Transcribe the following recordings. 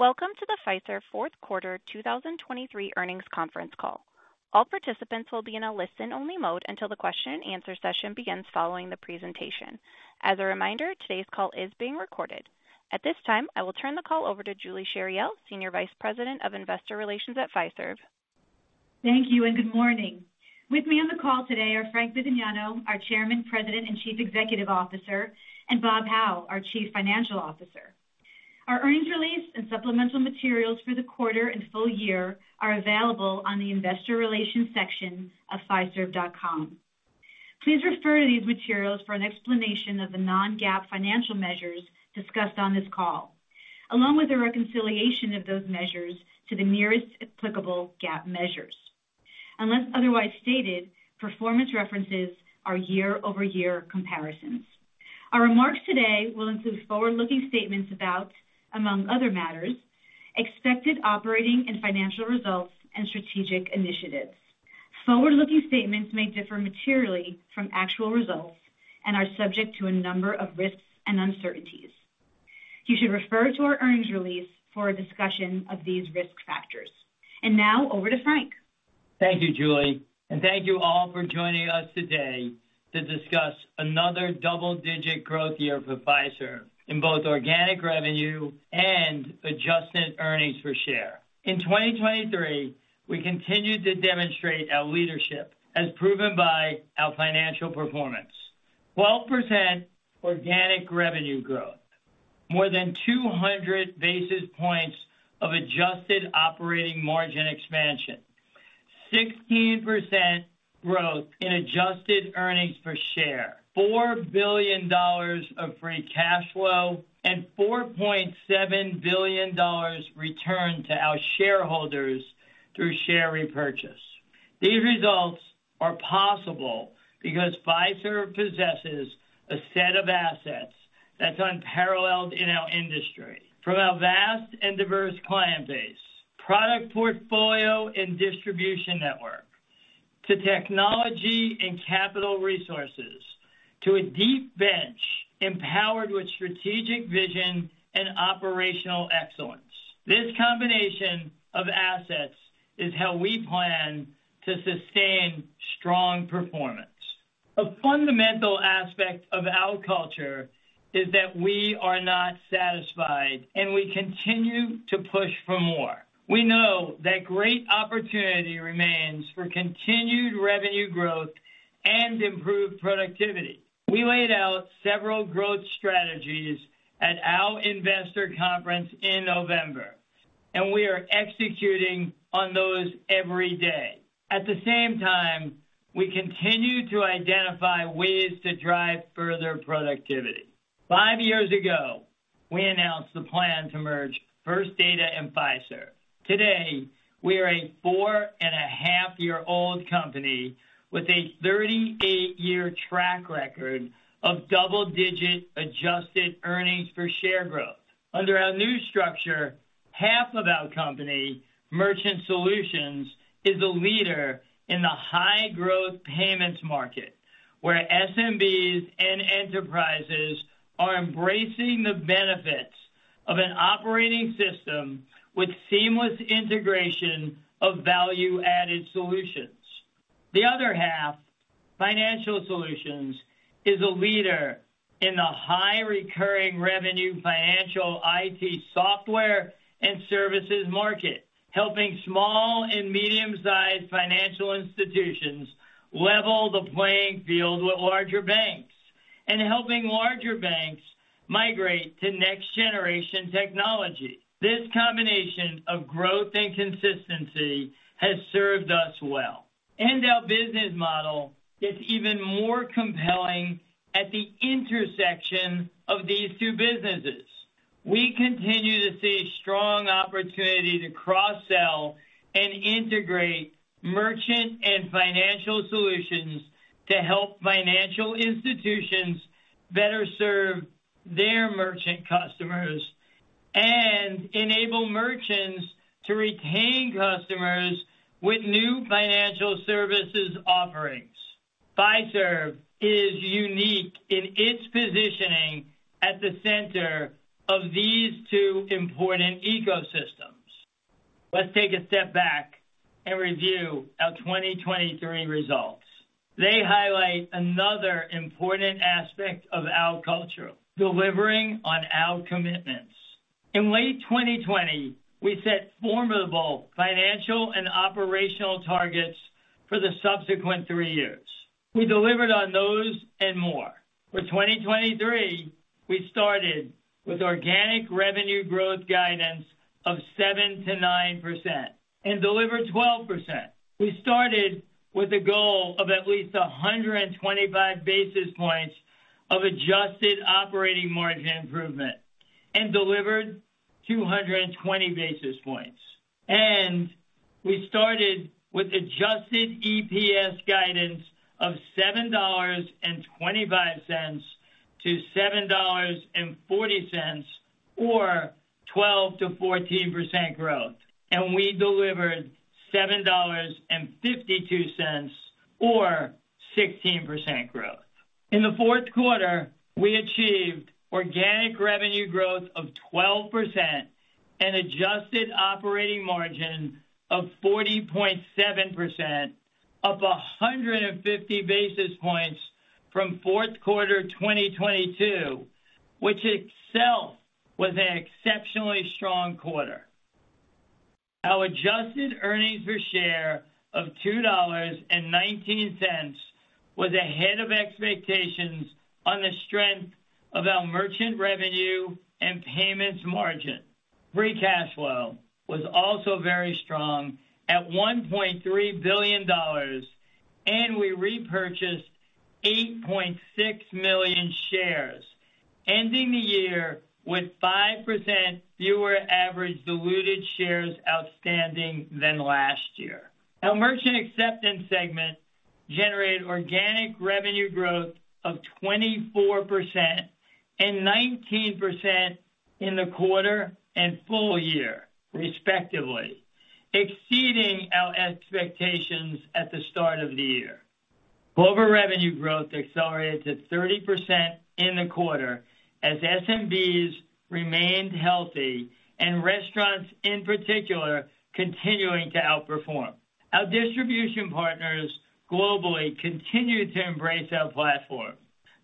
Welcome to the Fiserv fourth quarter 2023 earnings conference call. All participants will be in a listen-only mode until the question-and-answer session begins following the presentation. As a reminder, today's call is being recorded. At this time, I will turn the call over to Julie Chariell, Senior Vice President of Investor Relations at Fiserv. Thank you, and good morning. With me on the call today are Frank Bisignano, our Chairman, President, and Chief Executive Officer, and Bob Hau, our Chief Financial Officer. Our earnings release and supplemental materials for the quarter and full year are available on the investor relations section of Fiserv.com. Please refer to these materials for an explanation of the non-GAAP financial measures discussed on this call, along with a reconciliation of those measures to the nearest applicable GAAP measures. Unless otherwise stated, performance references are year-over-year comparisons. Our remarks today will include forward-looking statements about, among other matters, expected operating and financial results and strategic initiatives. Forward-looking statements may differ materially from actual results and are subject to a number of risks and uncertainties. You should refer to our earnings release for a discussion of these risk factors. Now over to Frank. Thank you, Julie, and thank you all for joining us today to discuss another double-digit growth year for Fiserv in both organic revenue and adjusted earnings per share. In 2023, we continued to demonstrate our leadership, as proven by our financial performance. 12% organic revenue growth, more than 200 basis points of adjusted operating margin expansion, 16% growth in adjusted earnings per share, $4 billion of free cash flow, and $4.7 billion returned to our shareholders through share repurchase. These results are possible because Fiserv possesses a set of assets that's unparalleled in our industry. From our vast and diverse client base, product portfolio and distribution network, to technology and Clover resources, to a deep bench empowered with strategic vision and operational excellence. This combination of assets is how we plan to sustain strong performance. A fundamental aspect of our culture is that we are not satisfied, and we continue to push for more. We know that great opportunity remains for continued revenue growth and improved productivity. We laid out several growth strategies at our investor conference in November, and we are executing on those every day. At the same time, we continue to identify ways to drive further productivity. 5 years ago, we announced the plan to merge First Data and Fiserv. Today, we are a 4.5-year-old company with a 38-year track record of double-digit adjusted earnings per share growth. Under our new structure, half of our company, Merchant Solutions, is a leader in the high-growth payments market, where SMBs and enterprises are embracing the benefits of an operating system with seamless integration of value-added solutions. The other half, Financial Solutions, is a leader in the high recurring revenue financial IT software and services market, helping small and medium-sized financial institutions level the playing field with larger banks and helping larger banks migrate to next-generation technology. This combination of growth and consistency has served us well, and our business model is even more compelling at the intersection of these two businesses. We continue to see strong opportunity to cross-sell and integrate merchant and Financial Solutions to help financial institutions better serve their merchant customers and enable merchants to retain customers with new financial services offerings. Fiserv is unique in its positioning at the center of these two important ecosystems. Let's take a step back and review our 2023 results. They highlight another important aspect of our culture, delivering on our commitments. In late 2020, we set formidable financial and operational targets for the subsequent three years. We delivered on those and more. For 2023, we started with organic revenue growth guidance of 7%-9% and delivered 12%. We started with a goal of at least 125 basis points of adjusted operating margin improvement and delivered 220 basis points. We started with adjusted EPS guidance of $7.25-$7.40, or 12%-14% growth, and we delivered $7.52, or 16% growth.... In the fourth quarter, we achieved organic revenue growth of 12% and adjusted operating margin of 40.7%, up 150 basis points from fourth quarter 2022, which itself was an exceptionally strong quarter. Our adjusted earnings per share of $2.19 was ahead of expectations on the strength of our merchant revenue and payments margin. Free cash flow was also very strong at $1.3 billion, and we repurchased 8.6 million shares, ending the year with 5% fewer average diluted shares outstanding than last year. Our Merchant Acceptance segment generated organic revenue growth of 24% and 19% in the quarter and full year, respectively, exceeding our expectations at the start of the year. Global revenue growth accelerated to 30% in the quarter as SMBs remained healthy and restaurants in particular, continuing to outperform. Our distribution partners globally continued to embrace our platform.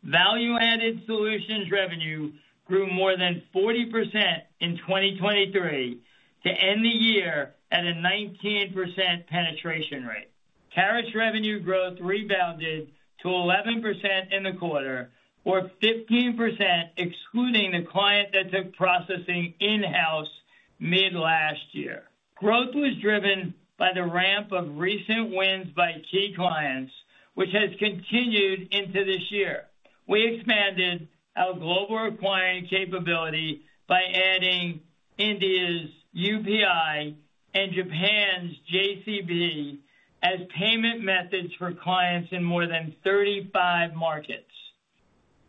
Value-added solutions revenue grew more than 40% in 2023 to end the year at a 19% penetration rate. Acceptance revenue growth rebounded to 11% in the quarter, or 15%, excluding the client that took processing in-house mid-last year. Growth was driven by the ramp of recent wins by key clients, which has continued into this year. We expanded our global acquiring capability by adding India's UPI and Japan's JCB as payment methods for clients in more than 35 markets.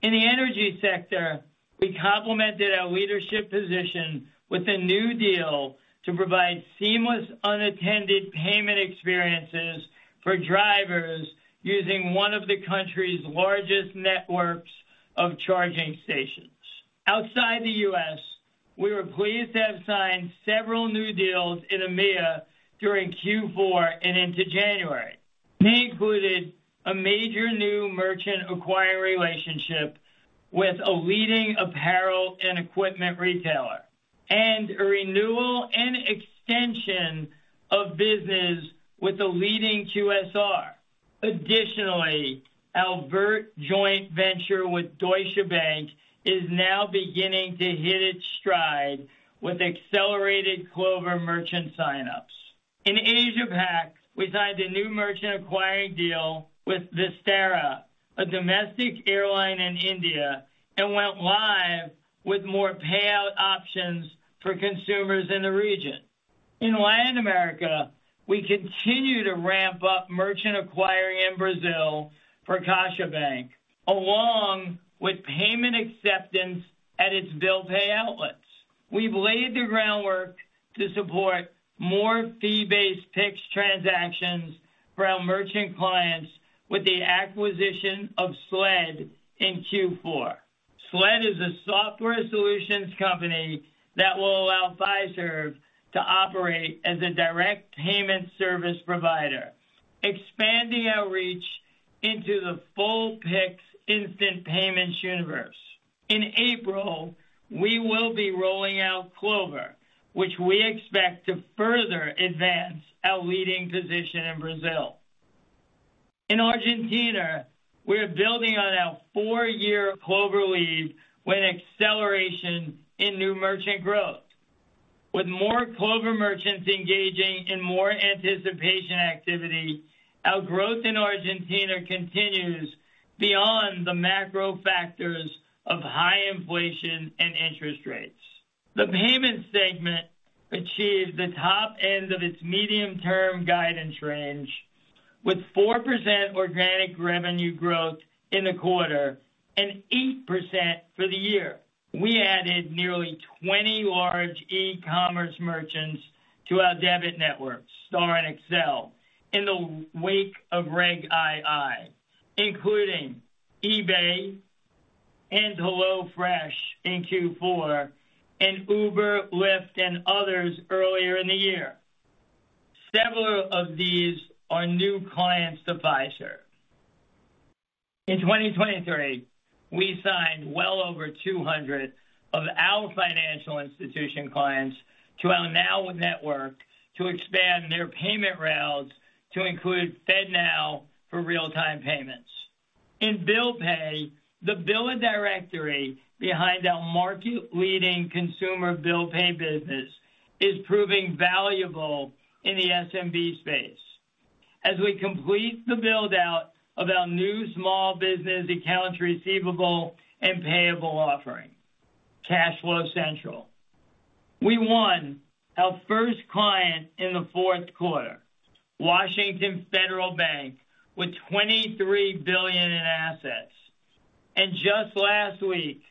In the energy sector, we complemented our leadership position with a new deal to provide seamless, unattended payment experiences for drivers using one of the country's largest networks of charging stations. Outside the U.S., we were pleased to have signed several new deals in EMEA during Q4 and into January. We included a major new merchant acquiring relationship with a leading apparel and equipment retailer, and a renewal and extension of business with a leading QSR. Additionally, our Vert joint venture with Deutsche Bank is now beginning to hit its stride with accelerated Clover merchant sign-ups. In Asia-Pac, we signed a new merchant acquiring deal with Vistara, a domestic airline in India, and went live with more payout options for consumers in the region. In Latin America, we continue to ramp up merchant acquiring in Brazil for Caixa Econômica Federal, along with payment acceptance at its bill pay outlets. We've laid the groundwork to support more fee-based Pix transactions for our merchant clients with the acquisition of Sled in Q4. Sled is a software solutions company that will allow Fiserv to operate as a direct payment service provider, expanding our reach into the full Pix instant payments universe. In April, we will be rolling out Clover, which we expect to further advance our leading position in Brazil. In Argentina, we are building on our four-year Clover lead with acceleration in new merchant growth. With more Clover merchants engaging in more anticipation activity, our growth in Argentina continues beyond the macro factors of high inflation and interest rates. The payments segment achieved the top end of its medium-term guidance range with 4% organic revenue growth in the quarter and 8% for the year. We added nearly 20 large e-commerce merchants to our debit network, Star and Accel, in the wake of Reg II, including eBay and HelloFresh in Q4, and Uber, Lyft, and others earlier in the year. In 2023, we signed well over 200 of our financial institution clients to our NOW Network to expand their payment rails to include FedNow for real-time payments. In bill pay, the biller directory behind our market-leading consumer bill pay business is proving valuable in the SMB space. As we complete the build-out of our new small business accounts receivable and payable offering, CashFlow Central, we won our first client in the fourth quarter, Washington Federal Bank, with $23 billion in assets. And just last week,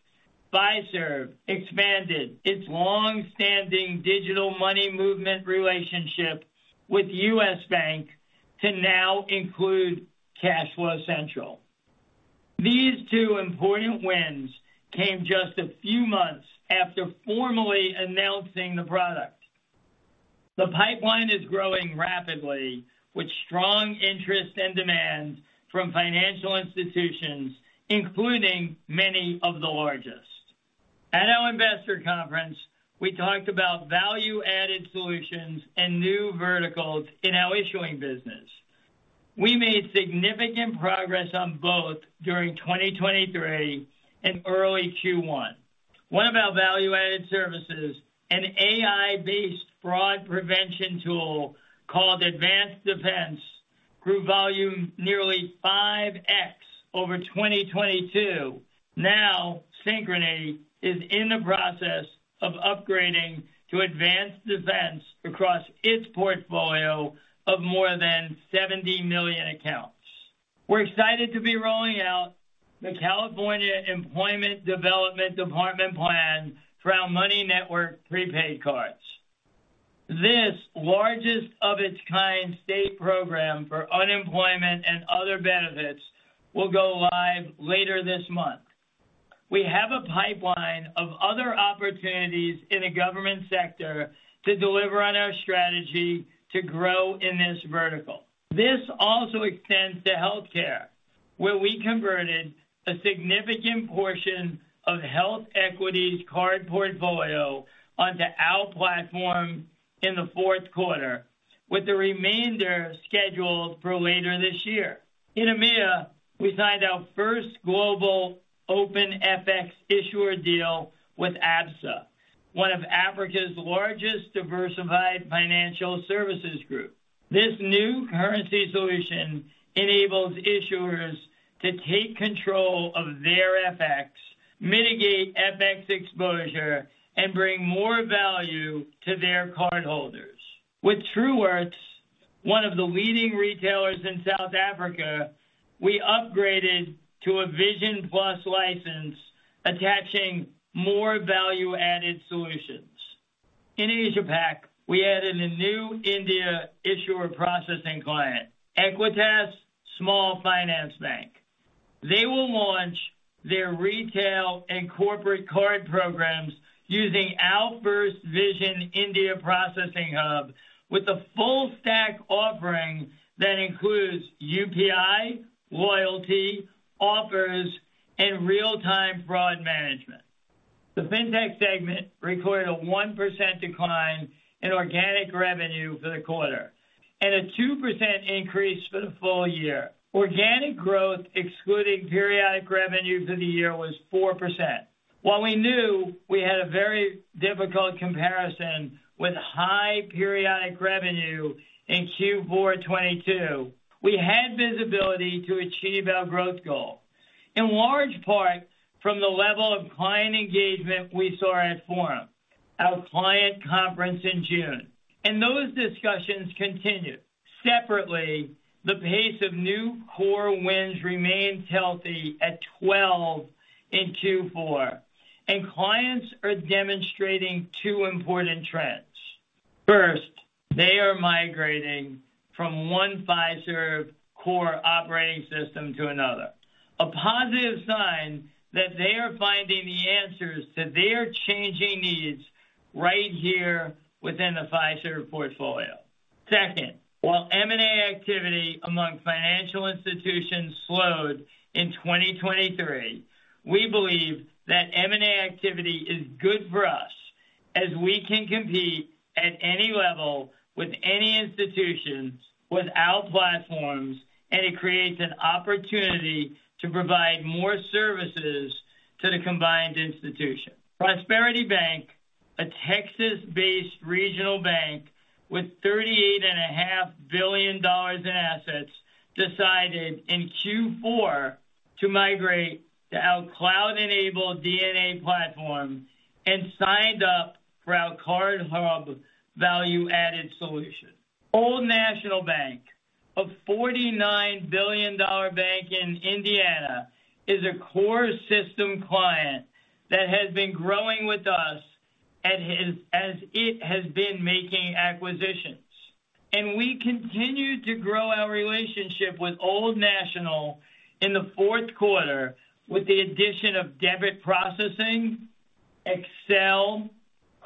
Fiserv expanded its long-standing digital money movement relationship with U.S. Bank to now include CashFlow Central. These two important wins came just a few months after formally announcing the product. The pipeline is growing rapidly, with strong interest and demand from financial institutions, including many of the largest. At our investor conference, we talked about value-added solutions and new verticals in our issuing business. We made significant progress on both during 2023 and early Q1. One of our value-added services, an AI-based fraud prevention tool called Advanced Defense, grew volume nearly 5x over 2022. Now, Synchrony is in the process of upgrading to Advanced Defense across its portfolio of more than 70 million accounts. We're excited to be rolling out the California Employment Development Department plan for our Money Network prepaid cards. This largest-of-its-kind state program for unemployment and other benefits will go live later this month. We have a pipeline of other opportunities in the government sector to deliver on our strategy to grow in this vertical. This also extends to healthcare, where we converted a significant portion of HealthEquity's card portfolio onto our platform in the fourth quarter, with the remainder scheduled for later this year. In EMEA, we signed our first global open FX issuer deal with Absa, one of Africa's largest diversified financial services group. This new currency solution enables issuers to take control of their FX, mitigate FX exposure, and bring more value to their cardholders. With Truworths, one of the leading retailers in South Africa, we upgraded to a VisionPLUS license, attaching more value-added solutions. In Asia-Pac, we added a new India issuer processing client, Equitas Small Finance Bank. They will launch their retail and corporate card programs using our FirstVision India processing hub with a full stack offering that includes UPI, loyalty, offers, and real-time fraud management. The Fintech segment recorded a 1% decline in organic revenue for the quarter and a 2% increase for the full year. Organic growth, excluding periodic revenue for the year, was 4%. While we knew we had a very difficult comparison with high periodic revenue in Q4 2022, we had visibility to achieve our growth goal, in large part from the level of client engagement we saw at Forum, our client conference in June. Those discussions continued. Separately, the pace of new core wins remains healthy at 12 in Q4, and clients are demonstrating two important trends. First, they are migrating from one Fiserv core operating system to another. A positive sign that they are finding the answers to their changing needs right here within the Fiserv portfolio. Second, while M&A activity among financial institutions slowed in 2023, we believe that M&A activity is good for us as we can compete at any level with any institution, with our platforms, and it creates an opportunity to provide more services to the combined institution. Prosperity Bank, a Texas-based regional bank with $38.5 billion in assets, decided in Q4 to migrate to our cloud-enabled DNA platform and signed up for our CardHub value-added solution. Old National Bank, a $49 billion bank in Indiana, is a core system client that has been growing with us as it has been making acquisitions. We continued to grow our relationship with Old National in the fourth quarter, with the addition of debit processing, Accel,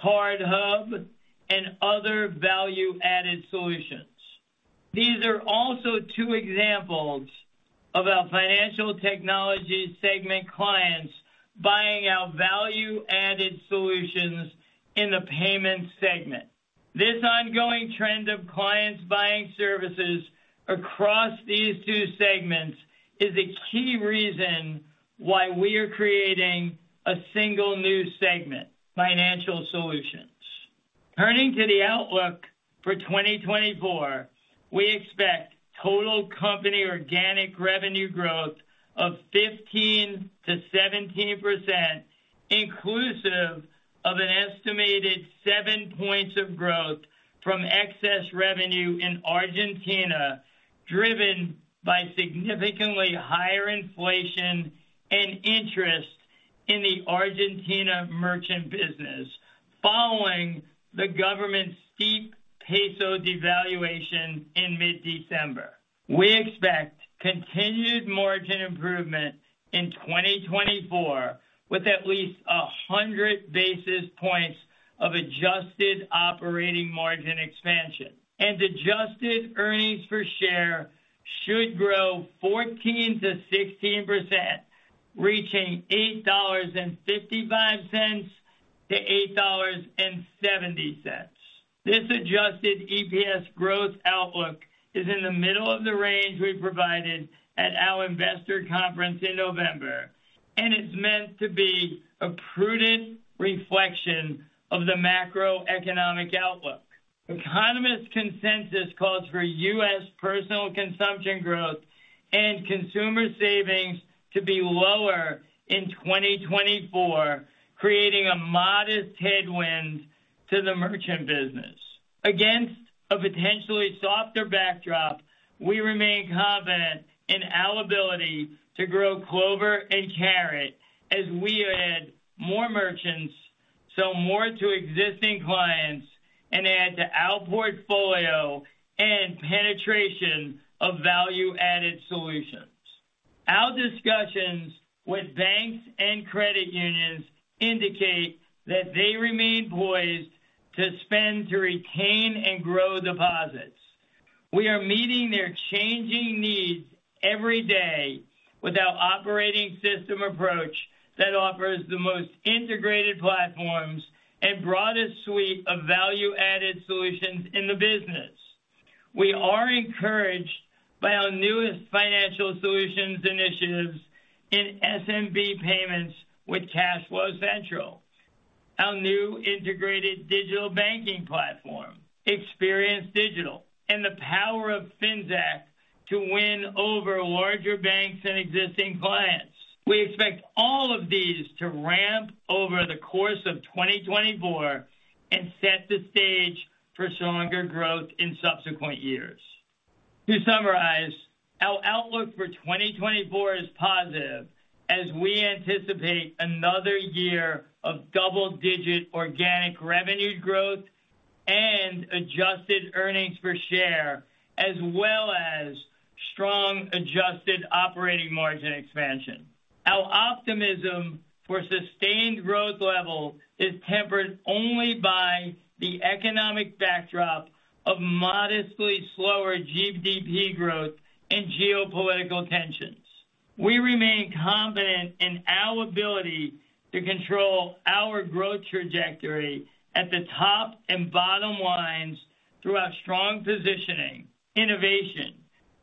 CardHub, and other value-added solutions. These are also two examples of our Financial Technology segment clients buying our value-added solutions in the payments segment. This ongoing trend of clients buying services across these two segments is a key reason why we are creating a single new segment, Financial Solutions. Turning to the outlook for 2024, we expect total company organic revenue growth of 15%-17%, inclusive of an estimated 7 points of growth from excess revenue in Argentina, driven by significantly higher inflation and interest in the Argentina merchant business, following the government's steep peso devaluation in mid-December. We expect continued margin improvement in 2024, with at least 100 basis points of adjusted operating margin expansion. And adjusted earnings per share should grow 14%-16%, reaching $8.55-$8.70. This adjusted EPS growth outlook is in the middle of the range we provided at our investor conference in November, and it's meant to be a prudent reflection of the macroeconomic outlook. Economist consensus calls for U.S. personal consumption growth and consumer savings to be lower in 2024, creating a modest headwind to the merchant business. Against a potentially softer backdrop, we remain confident in our ability to grow Clover and Carat as we add more merchants, sell more to existing clients, and add to our portfolio and penetration of value-added solutions. Our discussions with banks and credit unions indicate that they remain poised to spend to retain and grow deposits. We are meeting their changing needs every day with our operating system approach that offers the most integrated platforms and broadest suite of value-added solutions in the business. We are encouraged by our newest Financial Solutions initiatives in SMB payments with CashFlow Central, our new integrated digital banking platform, Experience Digital, and the power of FinTech to win over larger banks and existing clients. We expect all of these to ramp over the course of 2024 and set the stage for stronger growth in subsequent years. To summarize, our outlook for 2024 is positive as we anticipate another year of double-digit organic revenue growth and adjusted earnings per share, as well as strong adjusted operating margin expansion. Our optimism for sustained growth level is tempered only by the economic backdrop of modestly slower GDP growth and geopolitical tensions. We remain confident in our ability to control our growth trajectory at the top and bottom lines through our strong positioning, innovation,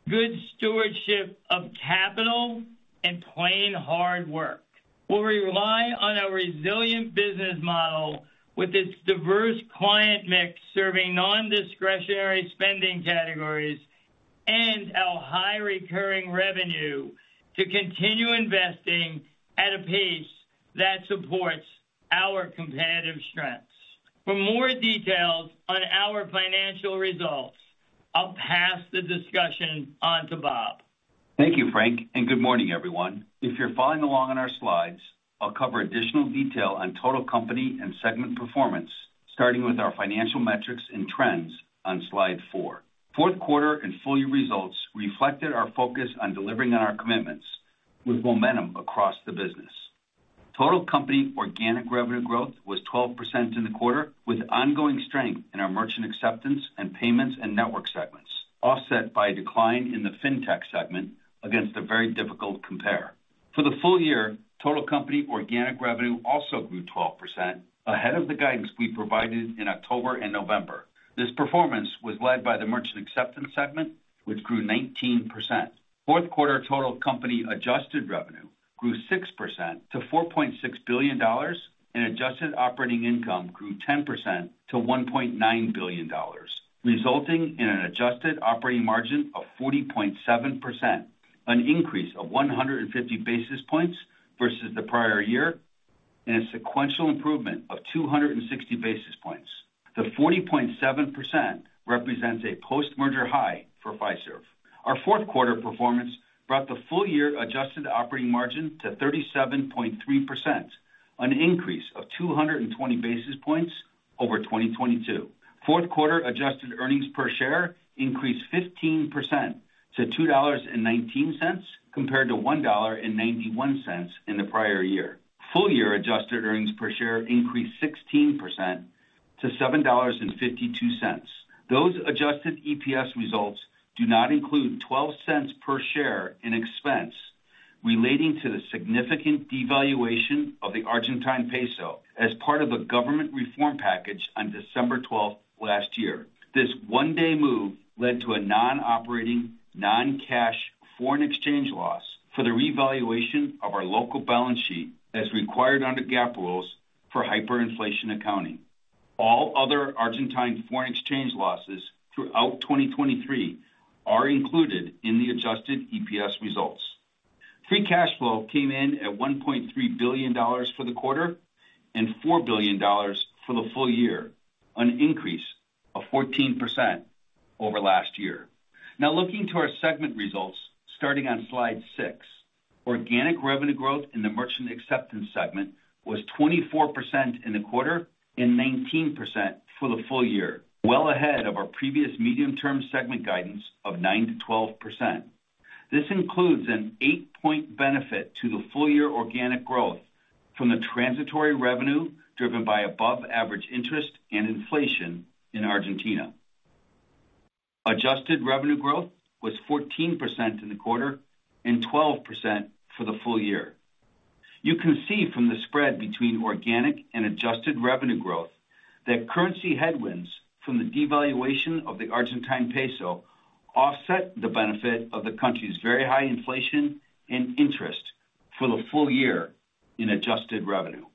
good stewardship of capital, and plain hard work. We'll rely on our resilient business model with its diverse client mix, serving non-discretionary spending categories and our high recurring revenue, to continue investing at a pace that supports our competitive strengths. For more details on our financial results, I'll pass the discussion on to Bob. Thank you, Frank, and good morning, everyone. If you're following along on our slides, I'll cover additional detail on total company and segment performance, starting with our financial metrics and trends on slide 4. Fourth quarter and full year results reflected our focus on delivering on our commitments with momentum across the business. Total company organic revenue growth was 12% in the quarter, with ongoing strength in our Merchant Acceptance and Payments and Network segments, offset by a decline in the fintech segment against a very difficult compare. For the full year, total company organic revenue also grew 12%, ahead of the guidance we provided in October and November. This performance was led by the Merchant Acceptance segment, which grew 19%. Fourth quarter total company adjusted revenue grew 6% to $4.6 billion, and adjusted operating income grew 10% to $1.9 billion, resulting in an adjusted operating margin of 40.7%, an increase of 150 basis points versus the prior year, and a sequential improvement of 260 basis points. The 40.7% represents a post-merger high for Fiserv. Our fourth quarter performance brought the full year adjusted operating margin to 37.3%, an increase of 220 basis points over 2022. Fourth quarter adjusted earnings per share increased 15% to $2.19, compared to $1.91 in the prior year. Full year adjusted earnings per share increased 16% to $7.52. Those adjusted EPS results do not include 12 cents per share in expense relating to the significant devaluation of the Argentine peso as part of a government reform package on December 12 last year. This one-day move led to a non-operating, non-cash foreign exchange loss for the revaluation of our local balance sheet, as required under GAAP rules for hyperinflation accounting. All other Argentine foreign exchange losses throughout 2023 are included in the adjusted EPS results. Free cash flow came in at $1.3 billion for the quarter and $4 billion for the full year, an increase of 14% over last year. Now looking to our segment results, starting on slide 6. Organic revenue growth in the Merchant Acceptance segment was 24% in the quarter and 19% for the full year, well ahead of our previous medium-term segment guidance of 9%-12%. This includes an eight-point benefit to the full-year organic growth from the transitory revenue, driven by above-average interest and inflation in Argentina. Adjusted revenue growth was 14% in the quarter and 12% for the full year. You can see from the spread between organic and adjusted revenue growth that currency headwinds from the devaluation of the Argentine peso offset the benefit of the country's very high inflation and interest for the full year in adjusted revenue.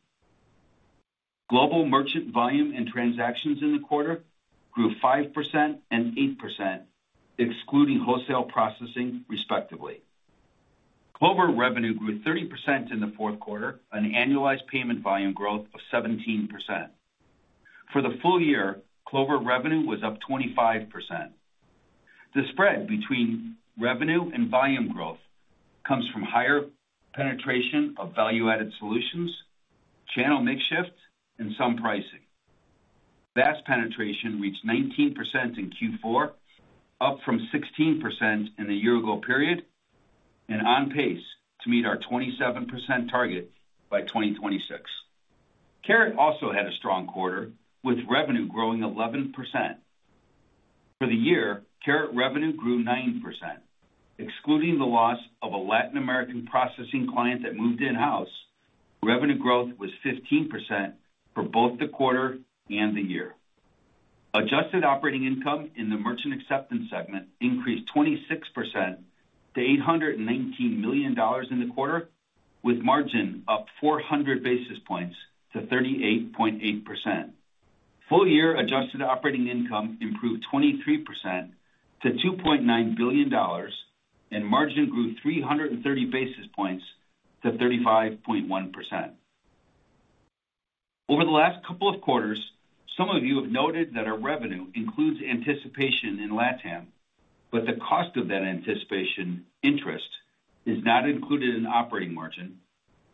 Global merchant volume and transactions in the quarter grew 5% and 8%, excluding wholesale processing, respectively. Clover revenue grew 30% in the fourth quarter, an annualized payment volume growth of 17%. For the full year, Clover revenue was up 25%. The spread between revenue and volume growth comes from higher penetration of value-added solutions, channel mix shift, and some pricing. VAS penetration reached 19% in Q4, up from 16% in the year ago period, and on pace to meet our 27% target by 2026. Carat also had a strong quarter, with revenue growing 11%. For the year, Carat revenue grew 9%, excluding the loss of a Latin American processing client that moved in-house, revenue growth was 15% for both the quarter and the year. Adjusted operating income in the Merchant Acceptance segment increased 26% to $819 million in the quarter, with margin up 400 basis points to 38.8%. Full-year adjusted operating income improved 23% to $2.9 billion, and margin grew 330 basis points to 35.1%. Over the last couple of quarters, some of you have noted that our revenue includes anticipation in LatAm, but the cost of that anticipation interest is not included in operating margin,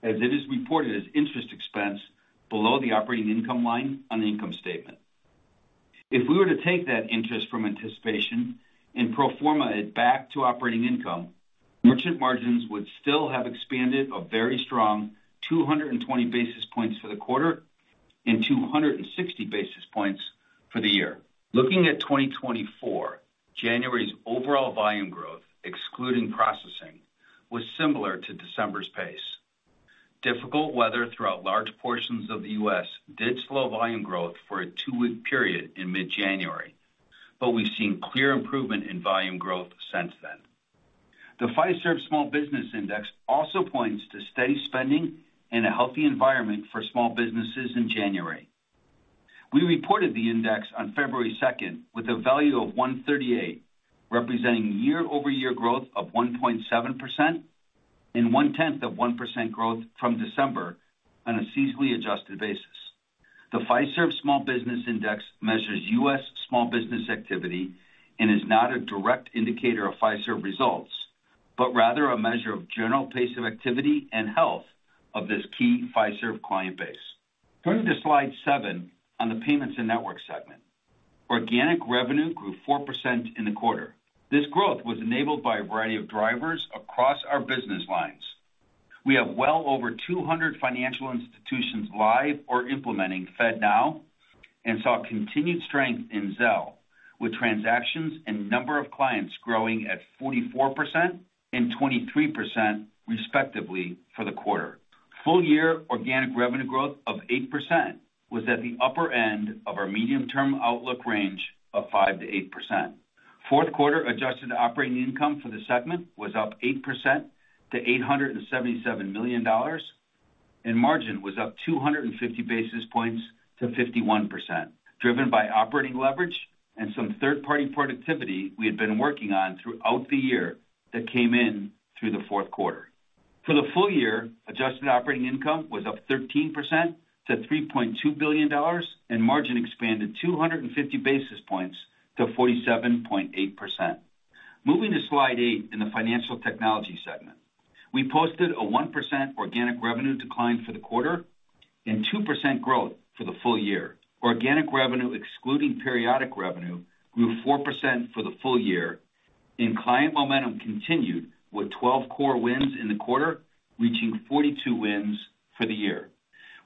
as it is reported as interest expense below the operating income line on the income statement. If we were to take that interest from anticipation and pro forma it back to operating income, merchant margins would still have expanded a very strong 220 basis points for the quarter and 260 basis points for the year. Looking at 2024, January's overall volume growth, excluding processing, was similar to December's pace. Difficult weather throughout large portions of the U.S. did slow volume growth for a two-week period in mid-January, but we've seen clear improvement in volume growth since then. The Fiserv Small Business Index also points to steady spending and a healthy environment for small businesses in January. We reported the index on February second, with a value of 138, representing year-over-year growth of 1.7% and 0.1% growth from December on a seasonally adjusted basis. The Fiserv Small Business Index measures U.S. small business activity and is not a direct indicator of Fiserv results, but rather a measure of general pace of activity and health of this key Fiserv client base. Turning to slide 7 on the Payments and Network segment. Organic revenue grew 4% in the quarter. This growth was enabled by a variety of drivers across our business lines. We have well over 200 financial institutions live or implementing FedNow, and saw continued strength in Zelle, with transactions and number of clients growing at 44% and 23%, respectively, for the quarter. Full year organic revenue growth of 8% was at the upper end of our medium-term outlook range of 5%-8%. Fourth quarter adjusted operating income for the segment was up 8% to $877 million, and margin was up 250 basis points to 51%, driven by operating leverage and some third-party productivity we had been working on throughout the year that came in through the fourth quarter. For the full year, adjusted operating income was up 13% to $3.2 billion, and margin expanded 250 basis points to 47.8%. Moving to slide 8 in the Financial Technology segment. We posted a 1% organic revenue decline for the quarter and 2% growth for the full year. Organic revenue, excluding periodic revenue, grew 4% for the full year, and client momentum continued with 12 core wins in the quarter, reaching 42 wins for the year.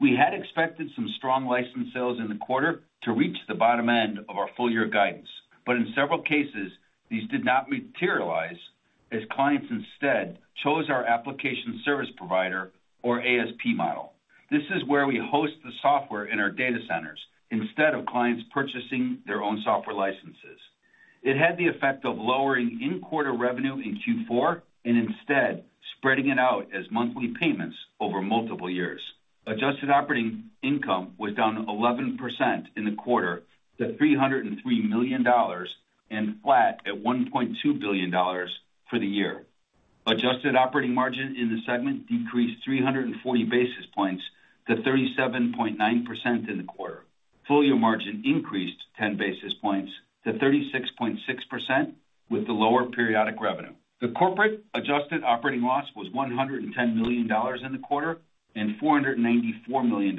We had expected some strong license sales in the quarter to reach the bottom end of our full year guidance, but in several cases, these did not materialize as clients instead chose our application service provider or ASP model. This is where we host the software in our data centers instead of clients purchasing their own software licenses. It had the effect of lowering in-quarter revenue in Q4 and instead spreading it out as monthly payments over multiple years. Adjusted operating income was down 11% in the quarter, to $303 million, and flat at $1.2 billion for the year. Adjusted operating margin in the segment decreased 340 basis points to 37.9% in the quarter. Full-year margin increased 10 basis points to 36.6% with the lower periodic revenue. The corporate adjusted operating loss was $110 million in the quarter, and $494 million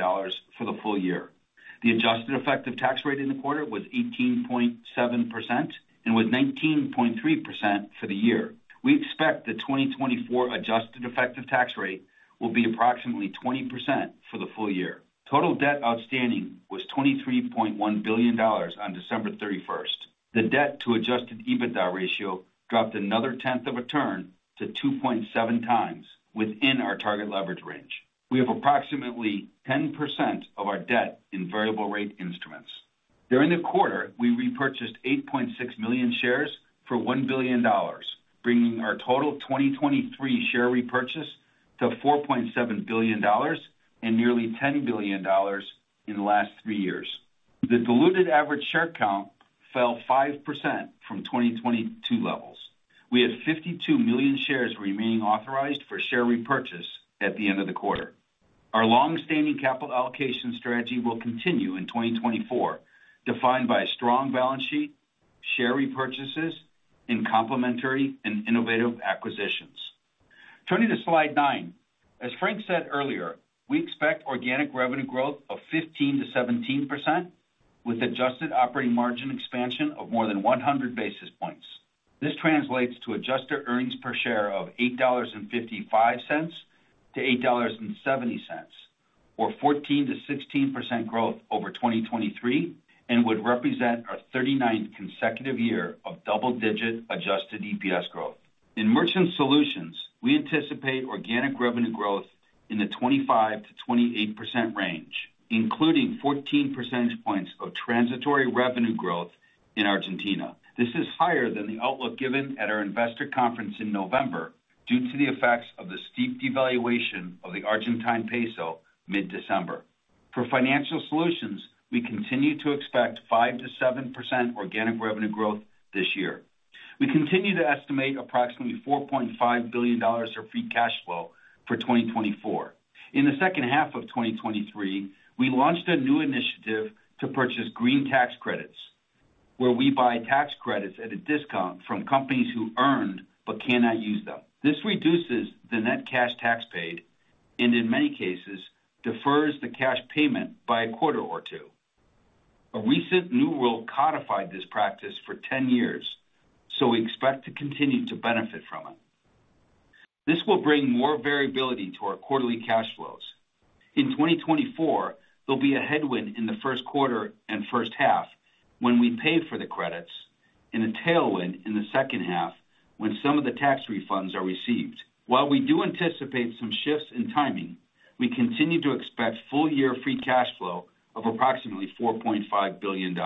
for the full year. The adjusted effective tax rate in the quarter was 18.7%, and was 19.3% for the year. We expect the 2024 adjusted effective tax rate will be approximately 20% for the full year. Total debt outstanding was $23.1 billion on December 31. The debt to adjusted EBITDA ratio dropped another tenth of a turn to 2.7x within our target leverage range. We have approximately 10% of our debt in variable rate instruments. During the quarter, we repurchased 8.6 million shares for $1 billion, bringing our total 2023 share repurchase to $4.7 billion and nearly $10 billion in the last three years. The diluted average share count fell 5% from 2022 levels. We had 52 million shares remaining authorized for share repurchase at the end of the quarter. Our long-standing capital allocation strategy will continue in 2024, defined by a strong balance sheet, share repurchases, and complementary and innovative acquisitions. Turning to slide 9. As Frank said earlier, we expect organic revenue growth of 15%-17%, with adjusted operating margin expansion of more than 100 basis points. This translates to adjusted earnings per share of $8.55-$8.70, or 14%-16% growth over 2023, and would represent our 39th consecutive year of double-digit adjusted EPS growth. In Merchant Solutions, we anticipate organic revenue growth in the 25%-28% range, including 14 percentage points of transitory revenue growth in Argentina. This is higher than the outlook given at our investor conference in November, due to the effects of the steep devaluation of the Argentine peso mid-December. For Financial Solutions, we continue to expect 5%-7% organic revenue growth this year. We continue to estimate approximately $4.5 billion of free cash flow for 2024. In the second half of 2023, we launched a new initiative to purchase green tax credits, where we buy tax credits at a discount from companies who earned but cannot use them. This reduces the net cash tax paid, and in many cases, defers the cash payment by a quarter or two. A recent new rule codified this practice for 10 years, so we expect to continue to benefit from it. This will bring more variability to our quarterly cash flows. In 2024, there'll be a headwind in the first quarter and first half when we pay for the credits, and a tailwind in the second half when some of the tax refunds are received. While we do anticipate some shifts in timing, we continue to expect full-year free cash flow of approximately $4.5 billion.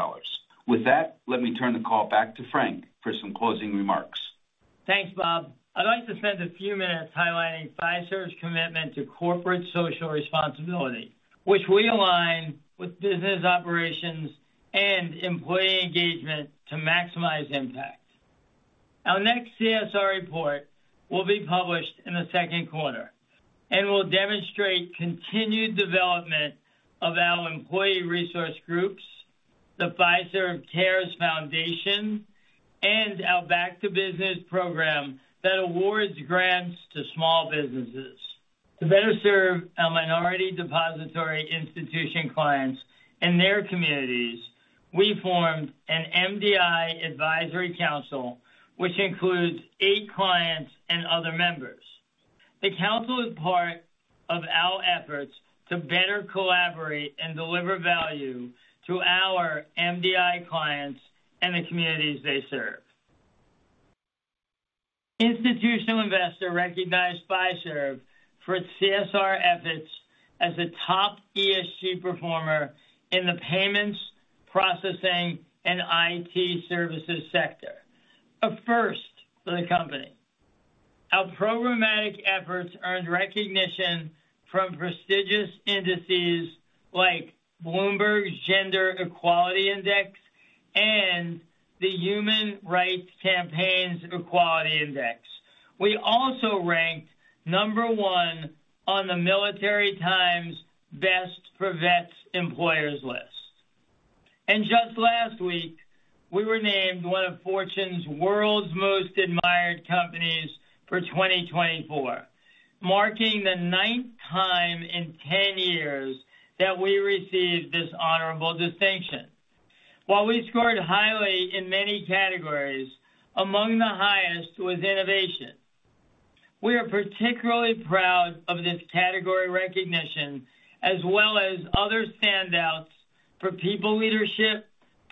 With that, let me turn the call back to Frank for some closing remarks. Thanks, Bob. I'd like to spend a few minutes highlighting Fiserv's commitment to corporate social responsibility, which we align with business operations and employee engagement to maximize impact. Our next CSR report will be published in the second quarter and will demonstrate continued development of our employee resource groups, the Fiserv Cares Foundation, and our Back2Business program that awards grants to small businesses. To better serve our minority depository institution clients and their communities, we formed an MDI Advisory Council, which includes eight clients and other members. The council is part of our efforts to better collaborate and deliver value to our MDI clients and the communities they serve. Institutional Investor recognized Fiserv for its CSR efforts as a top ESG performer in the payments, processing, and IT services sector, a first for the company. Our programmatic efforts earned recognition from prestigious indices like Bloomberg's Gender-Equality Index and the Human Rights Campaign's Corporate Equality Index. We also ranked number 1 on the Military Times' Best for Vets: Employers list. Just last week, we were named one of Fortune's World's Most Admired Companies for 2024, marking the ninth time in 10 years that we received this honorable distinction. While we scored highly in many categories, among the highest was innovation. We are particularly proud of this category recognition, as well as other standouts for people leadership,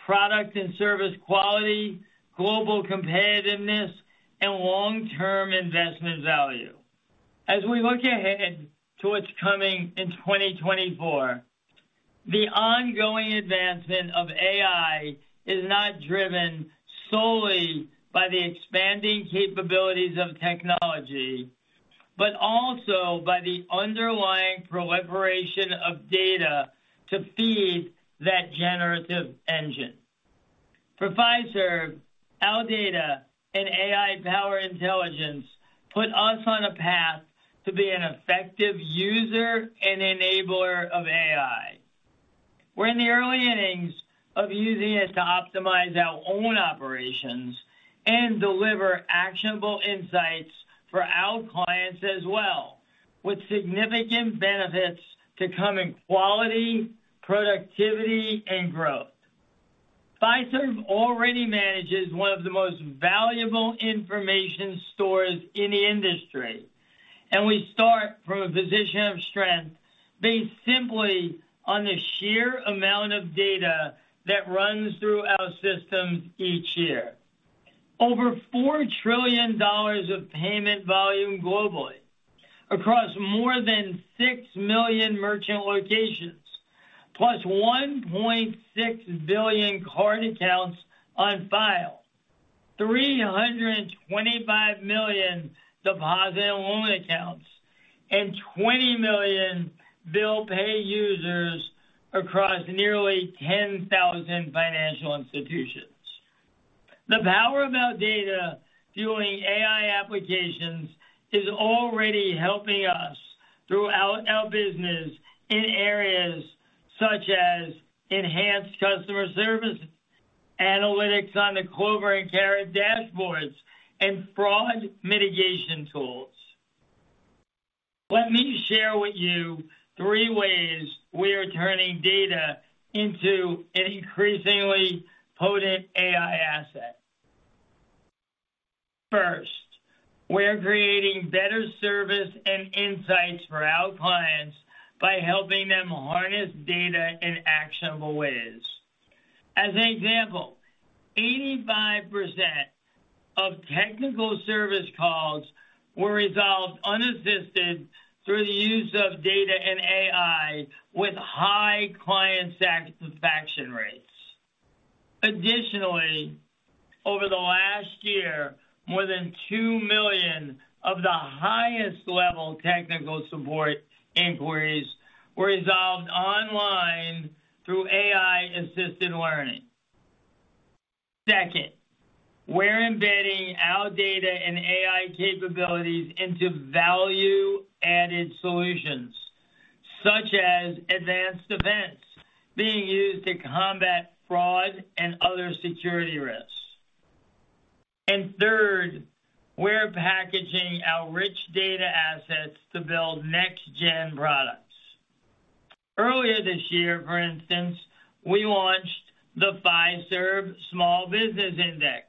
product and service quality, global competitiveness, and long-term investment value. As we look ahead to what's coming in 2024, the ongoing advancement of AI - not driven solely by the expanding capabilities of technology, but also by the underlying proliferation of data to feed that generative engine. For Fiserv, our data and AI power intelligence put us on a path to be an effective user and enabler of AI. We're in the early innings of using it to optimize our own operations and deliver actionable insights for our clients as well, with significant benefits to come in quality, productivity, and growth. Fiserv already manages one of the most valuable information stores in the industry, and we start from a position of strength based simply on the sheer amount of data that runs through our systems each year. Over $4 trillion of payment volume globally across more than 6 million merchant locations, plus 1.6 billion card accounts on file, 325 million deposit and loan accounts, and 20 million bill pay users across nearly 10,000 financial institutions. The power of our data fueling AI applications is already helping us throughout our business in areas such as enhanced customer service, analytics on the Clover and Carat dashboards, and fraud mitigation tools. Let me share with you three ways we are turning data into an increasingly potent AI asset. First, we are creating better service and insights for our clients by helping them harness data in actionable ways. As an example, 85% of technical service calls were resolved unassisted through the use of data and AI with high client satisfaction rates. Additionally, over the last year, more than 2 million of the highest level technical support inquiries were resolved online through AI-assisted learning. Second, we're embedding our data and AI capabilities into value-added solutions, such as Advanced Defense being used to combat fraud and other security risks. Third, we're packaging our rich data assets to build next-gen products. Earlier this year, for instance, we launched the Fiserv Small Business Index,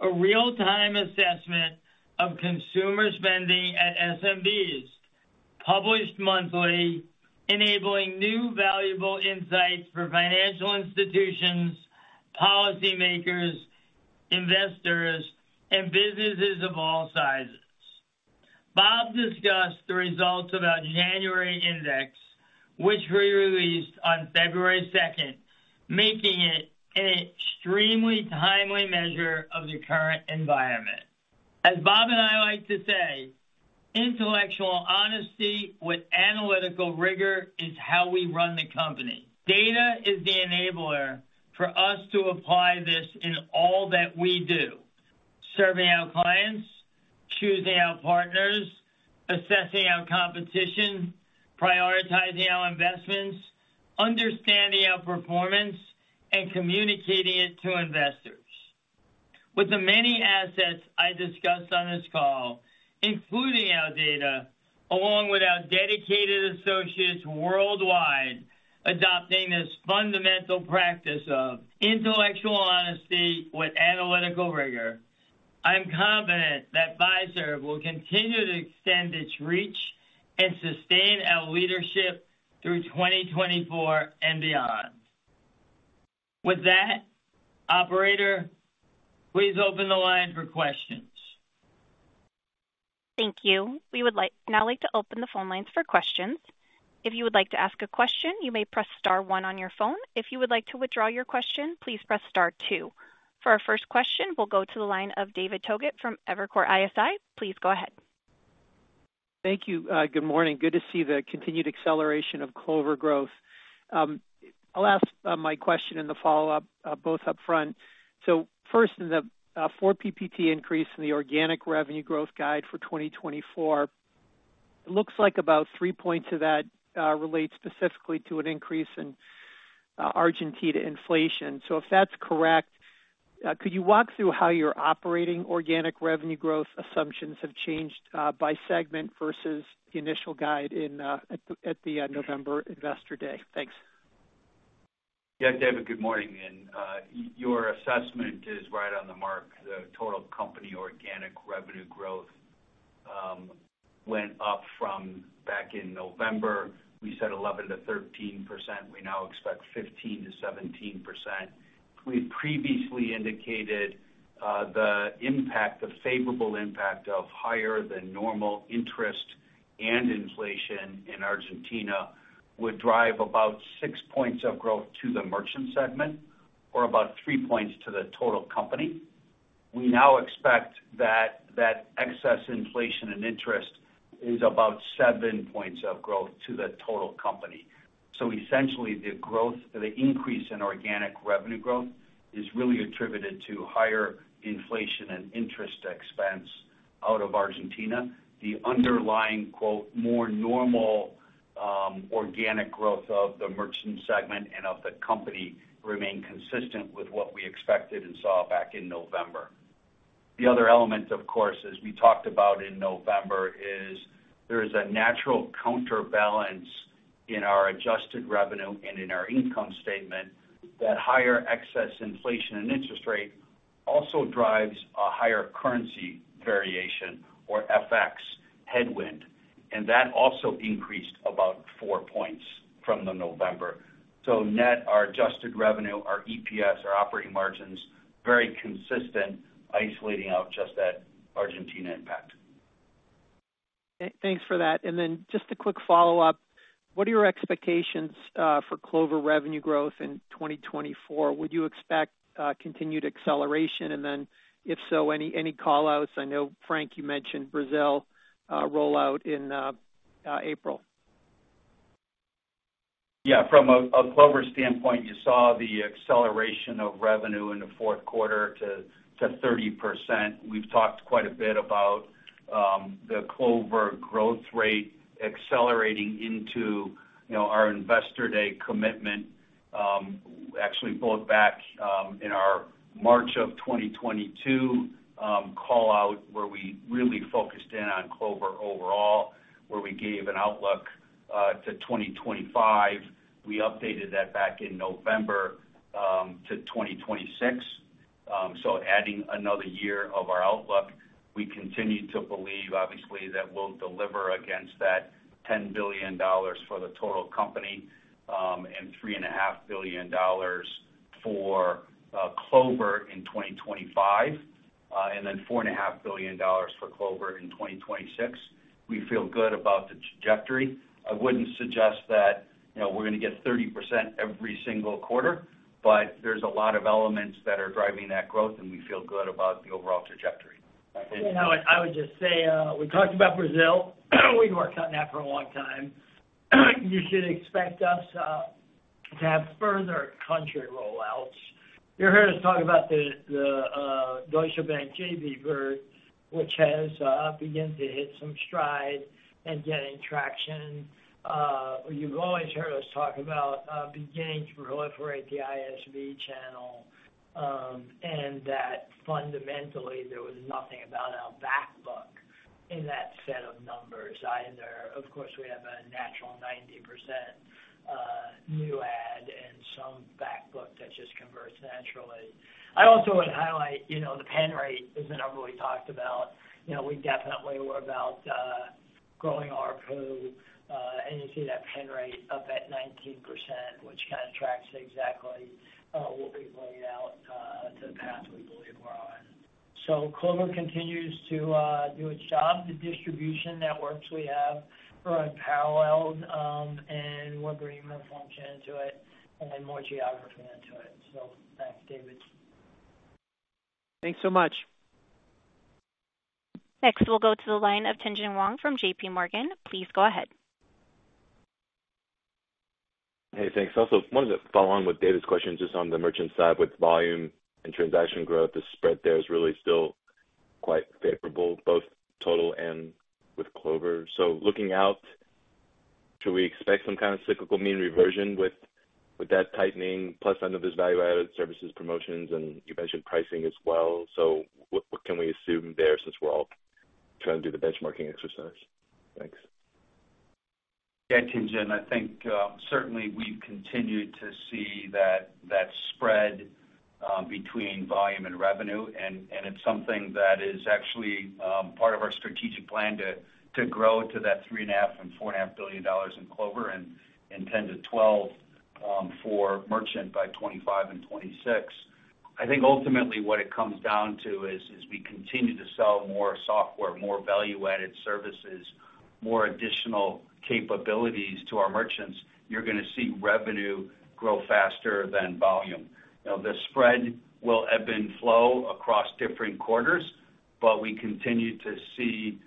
a real-time assessment of consumer spending at SMBs, published monthly, enabling new valuable insights for financial institutions, policymakers, investors, and businesses of all sizes. Bob discussed the results of our January index, which we released on February second, making it an extremely timely measure of the current environment. As Bob and I like to say, intellectual honesty with analytical rigor is how we run the company. Data is the enabler for us to apply this in all that we do, serving our clients, choosing our partners, assessing our competition, prioritizing our investments, understanding our performance, and communicating it to investors. With the many assets I discussed on this call, including our data, along with our dedicated associates worldwide, adopting this fundamental practice of intellectual honesty with analytical rigor, I'm confident that Fiserv will continue to extend its reach and sustain our leadership through 2024 and beyond. With that, operator, please open the line for questions. Thank you. We would now like to open the phone lines for questions. If you would like to ask a question, you may press star one on your phone. If you would like to withdraw your question, please press star two. For our first question, we'll go to the line of David Togut from Evercore ISI. Please go ahead. Thank you. Good morning. Good to see the continued acceleration of Clover growth. I'll ask my question in the follow-up both up front. First, in the 4 PPT increase in the organic revenue growth guide for 2024, it looks like about 3 points of that relates specifically to an increase in Argentina inflation. So if that's correct, could you walk through how your operating organic revenue growth assumptions have changed by segment versus the initial guide given at the November Investor Day? Thanks. Yeah, David, good morning. And, your assessment is right on the mark. The total company organic revenue growth went up from back in November. We said 11%-13%. We now expect 15%-17%. We previously indicated the impact, the favorable impact of higher than normal interest-... and inflation in Argentina would drive about 6 points of growth to the merchant segment or about 3 points to the total company. We now expect that excess inflation and interest is about 7 points of growth to the total company. So essentially, the growth, the increase in organic revenue growth is really attributed to higher inflation and interest expense out of Argentina. The underlying, quote, more normal, organic growth of the merchant segment and of the company remain consistent with what we expected and saw back in November. The other element, of course, as we talked about in November, is there is a natural counterbalance in our adjusted revenue and in our income statement that higher excess inflation and interest rate also drives a higher currency variation or FX headwind, and that also increased about 4 points from November. So, net, our adjusted revenue, our EPS, our operating margins, very consistent, isolating out just that Argentina impact. Thanks for that. And then just a quick follow-up: what are your expectations for Clover revenue growth in 2024? Would you expect continued acceleration? And then, if so, any call-outs? I know, Frank, you mentioned Brazil rollout in April. Yeah, from a Clover standpoint, you saw the acceleration of revenue in the fourth quarter to 30%. We've talked quite a bit about the Clover growth rate accelerating into, you know, our Investor Day commitment, actually both back in our March of 2022 call-out, where we really focused in on Clover overall, where we gave an outlook to 2025. We updated that back in November to 2026. So adding another year of our outlook, we continue to believe, obviously, that we'll deliver against that $10 billion for the total company and $3.5 billion for Clover in 2025 and then $4.5 billion for Clover in 2026. We feel good about the trajectory. I wouldn't suggest that, you know, we're gonna get 30% every single quarter, but there's a lot of elements that are driving that growth, and we feel good about the overall trajectory. I would, I would just say, we talked about Brazil. We've worked on that for a long time. You should expect us to have further country rollouts. You heard us talk about the Deutsche Bank JV work, which has begun to hit some stride and getting traction. You've always heard us talk about beginning to proliferate the ISV channel, and that fundamentally, there was nothing about our back book in that set of numbers either. Of course, we have a natural 90% new add and some back book that just converts naturally. I also would highlight, you know, the pen rate is a number we talked about. You know, we definitely were about growing ARPU, and you see that pen rate up at 19%, which kind of tracks exactly what we've laid out to the path we believe we're on. So Clover continues to do its job. The distribution networks we have are unparalleled, and we're bringing more function into it and more geography into it. So thanks, David. Thanks so much. Next, we'll go to the line of Tien-Tsin Huang from J.P. Morgan. Please go ahead. Hey, thanks. Also wanted to follow on with David's question, just on the merchant side, with volume and transaction growth, the spread there is really still quite favorable, both total and with Clover. So looking out, should we expect some kind of cyclical mean reversion with, with that tightening, plus some of this value-added services, promotions, and you mentioned pricing as well. So what, what can we assume there, since we're all trying to do the benchmarking exercise? Thanks. Yeah, Tien-Tsin Huang, I think, certainly we've continued to see that, that spread, between volume and revenue, and, it's something that is actually, part of our strategic plan to, to grow to that $3.5-$4.5 billion in Clover and, ten to 12, for merchant by 2025 and 2026. I think ultimately what it comes down to is, as we continue to sell more software, more value-added services, more additional capabilities to our merchants, you're gonna see revenue grow faster than volume. Now, the spread will ebb and flow across different quarters, but we continue to see,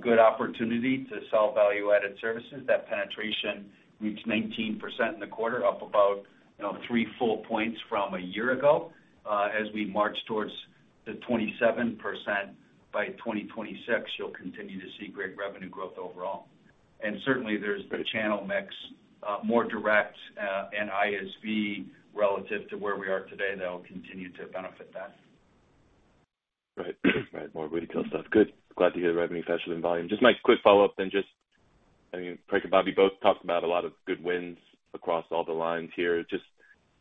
good opportunity to sell value-added services. That penetration reached 19% in the quarter, up about, you know, three full points from a year ago. As we march towards the 27% by 2026, you'll continue to see great revenue growth overall. And certainly, there's the channel mix, more direct, and ISV relative to where we are today that will continue to benefit that. Right. Right. More really cool stuff. Good. Glad to hear the revenue faster than volume. Just my quick follow-up, then just, I mean, Frank and Bobby both talked about a lot of good wins across all the lines here. Just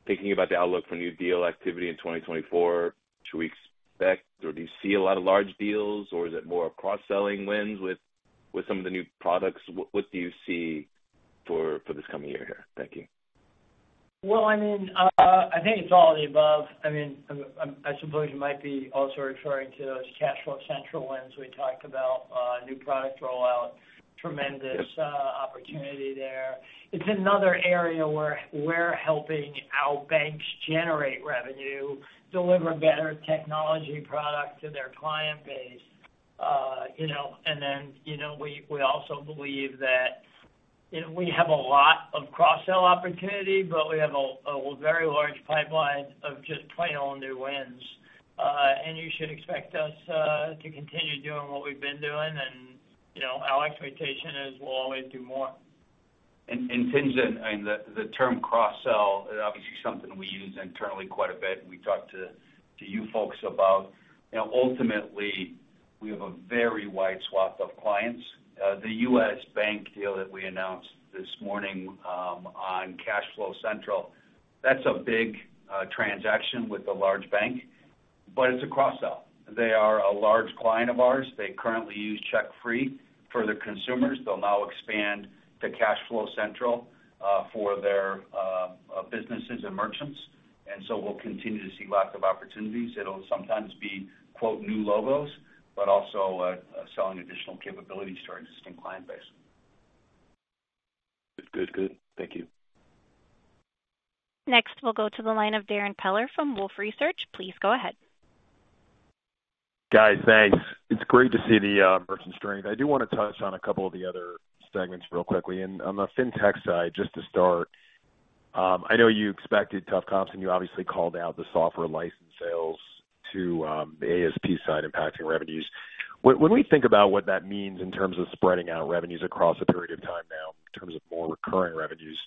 thinking about the outlook for new deal activity in 2024, should we expect, or do you see a lot of large deals, or is it more cross-selling wins with, with some of the new products? What, what do you see for, for this coming year here? Thank you.... Well, I mean, I think it's all of the above. I mean, I suppose you might be also referring to those CashFlow Central wins we talked about, new product rollout, tremendous opportunity there. It's another area where we're helping our banks generate revenue, deliver better technology products to their client base. You know, and then, you know, we also believe that, you know, we have a lot of cross-sell opportunity, but we have a very large pipeline of just plain old new wins. And you should expect us to continue doing what we've been doing. And, you know, our expectation is we'll always do more. Tien-Tsin, I mean, the term cross-sell is obviously something we use internally quite a bit, and we talked to you folks about. You know, ultimately, we have a very wide swath of clients. The U.S. Bank deal that we announced this morning on CashFlow Central, that's a big transaction with a large bank, but it's a cross-sell. They are a large client of ours. They currently use CheckFree for their consumers. They'll now expand to CashFlow Central for their businesses and merchants. And so we'll continue to see lots of opportunities. It'll sometimes be, quote, "new logos," but also selling additional capabilities to our existing client base. Good, good. Thank you. Next, we'll go to the line of Darrin Peller from Wolfe Research. Please go ahead. Guys, thanks. It's great to see the merchant strength. I do wanna touch on a couple of the other segments real quickly. And on the Fintech side, just to start, I know you expected tough comps, and you obviously called out the software license sales to the ASP side impacting revenues. When we think about what that means in terms of spreading out revenues across a period of time now, in terms of more recurring revenues,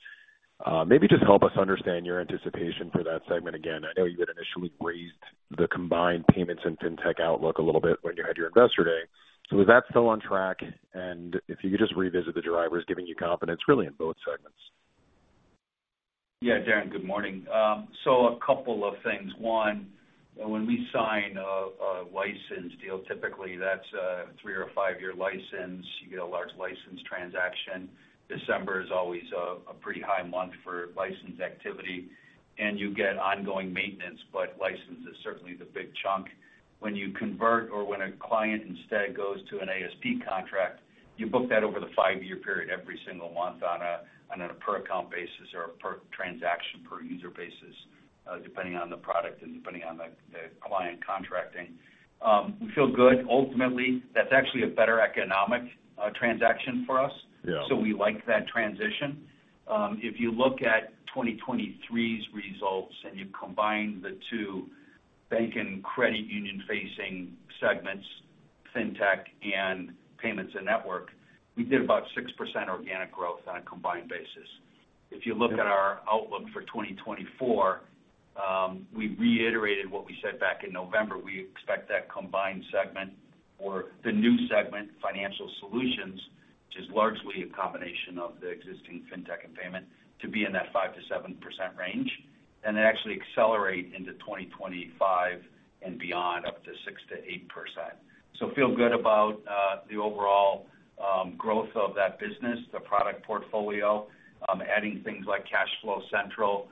maybe just help us understand your anticipation for that segment again. I know you had initially raised the combined payments and Fintech outlook a little bit when you had your Investor Day. So is that still on track? And if you could just revisit the drivers giving you confidence, really, in both segments. Yeah, Darren, good morning. So a couple of things. One, when we sign a license deal, typically that's a 3- or 5-year license. You get a large license transaction. December is always a pretty high month for license activity, and you get ongoing maintenance, but license is certainly the big chunk. When you convert or when a client instead goes to an ASP contract, you book that over the 5-year period, every single month on a per account basis or a per transaction, per user basis, depending on the product and depending on the client contracting. We feel good. Ultimately, that's actually a better economic transaction for us- Yeah. So we like that transition. If you look at 2023's results and you combine the two bank and credit union-facing segments, Fintech and Payments and Network, we did about 6% organic growth on a combined basis. Yep. If you look at our outlook for 2024, we reiterated what we said back in November. We expect that combined segment or the new segment, Financial Solutions, which is largely a combination of the existing Fintech and Payment, to be in that 5%-7% range, and then actually accelerate into 2025 and beyond, up to 6%-8%. So feel good about the overall growth of that business, the product portfolio, adding things like CashFlow Central,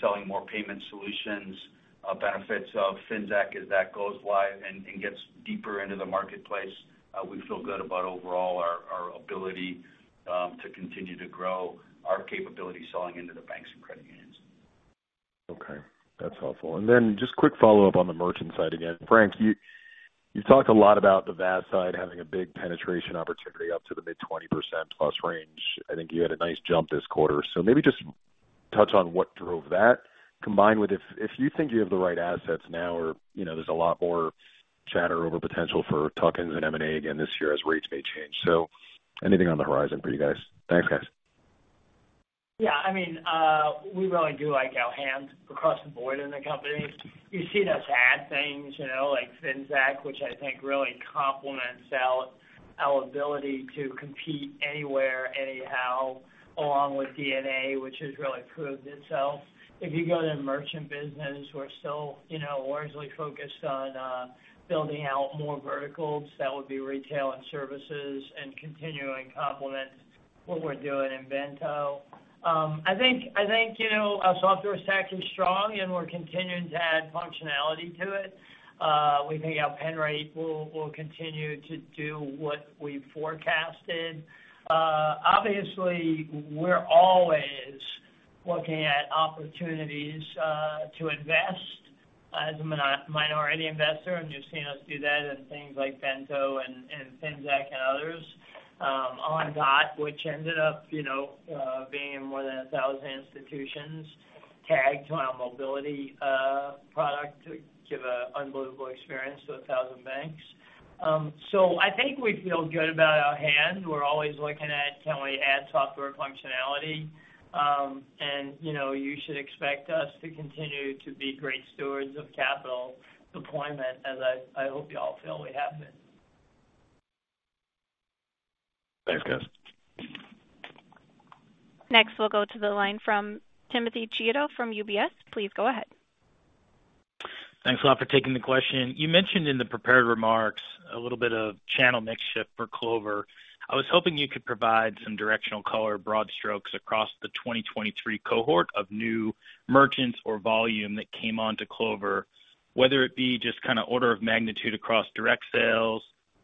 selling more payment solutions, benefits of Finxact as that goes live and gets deeper into the marketplace. We feel good about overall our ability to continue to grow our capability selling into the banks and credit unions. Okay, that's helpful. And then just quick follow-up on the merchant side again. Frank, you, you talked a lot about the Vert side having a big penetration opportunity up to the mid-20% plus range. I think you had a nice jump this quarter. So maybe just touch on what drove that, combined with if, if you think you have the right assets now or, you know, there's a lot more chatter over potential for tokens and M&A again this year as rates may change. So anything on the horizon for you guys? Thanks, guys. Yeah, I mean, we really do like our hands across the board in the company. You've seen us add things, you know, like Finxact, which I think really complements our ability to compete anywhere, anyhow, along with DNA, which has really proved itself. If you go to the merchant business, we're still, you know, largely focused on building out more verticals. That would be retail and services and continuing to complement what we're doing in Bento. I think, you know, our software stack is strong, and we're continuing to add functionality to it. We think our pen rate will continue to do what we forecasted. Obviously, we're always looking at opportunities to invest as a minority investor, and you've seen us do that in things like Bento and Finxact and others. Ondot, which ended up, you know, being in more than 1,000 institutions, tagged to our mobility product to give an unbelievable experience to 1,000 banks. So I think we feel good about our hand. We're always looking at can we add software functionality? And, you know, you should expect us to continue to be great stewards of capital deployment, as I hope you all feel we have been. Thanks, guys. Next, we'll go to the line from Timothy Chiodo from UBS. Please go ahead. ... Thanks a lot for taking the question. You mentioned in the prepared remarks a little bit of channel mix shift for Clover. I was hoping you could provide some directional color, broad strokes across the 2023 cohort of new merchants or volume that came onto Clover, whether it be just kind of order of magnitude across direct sales,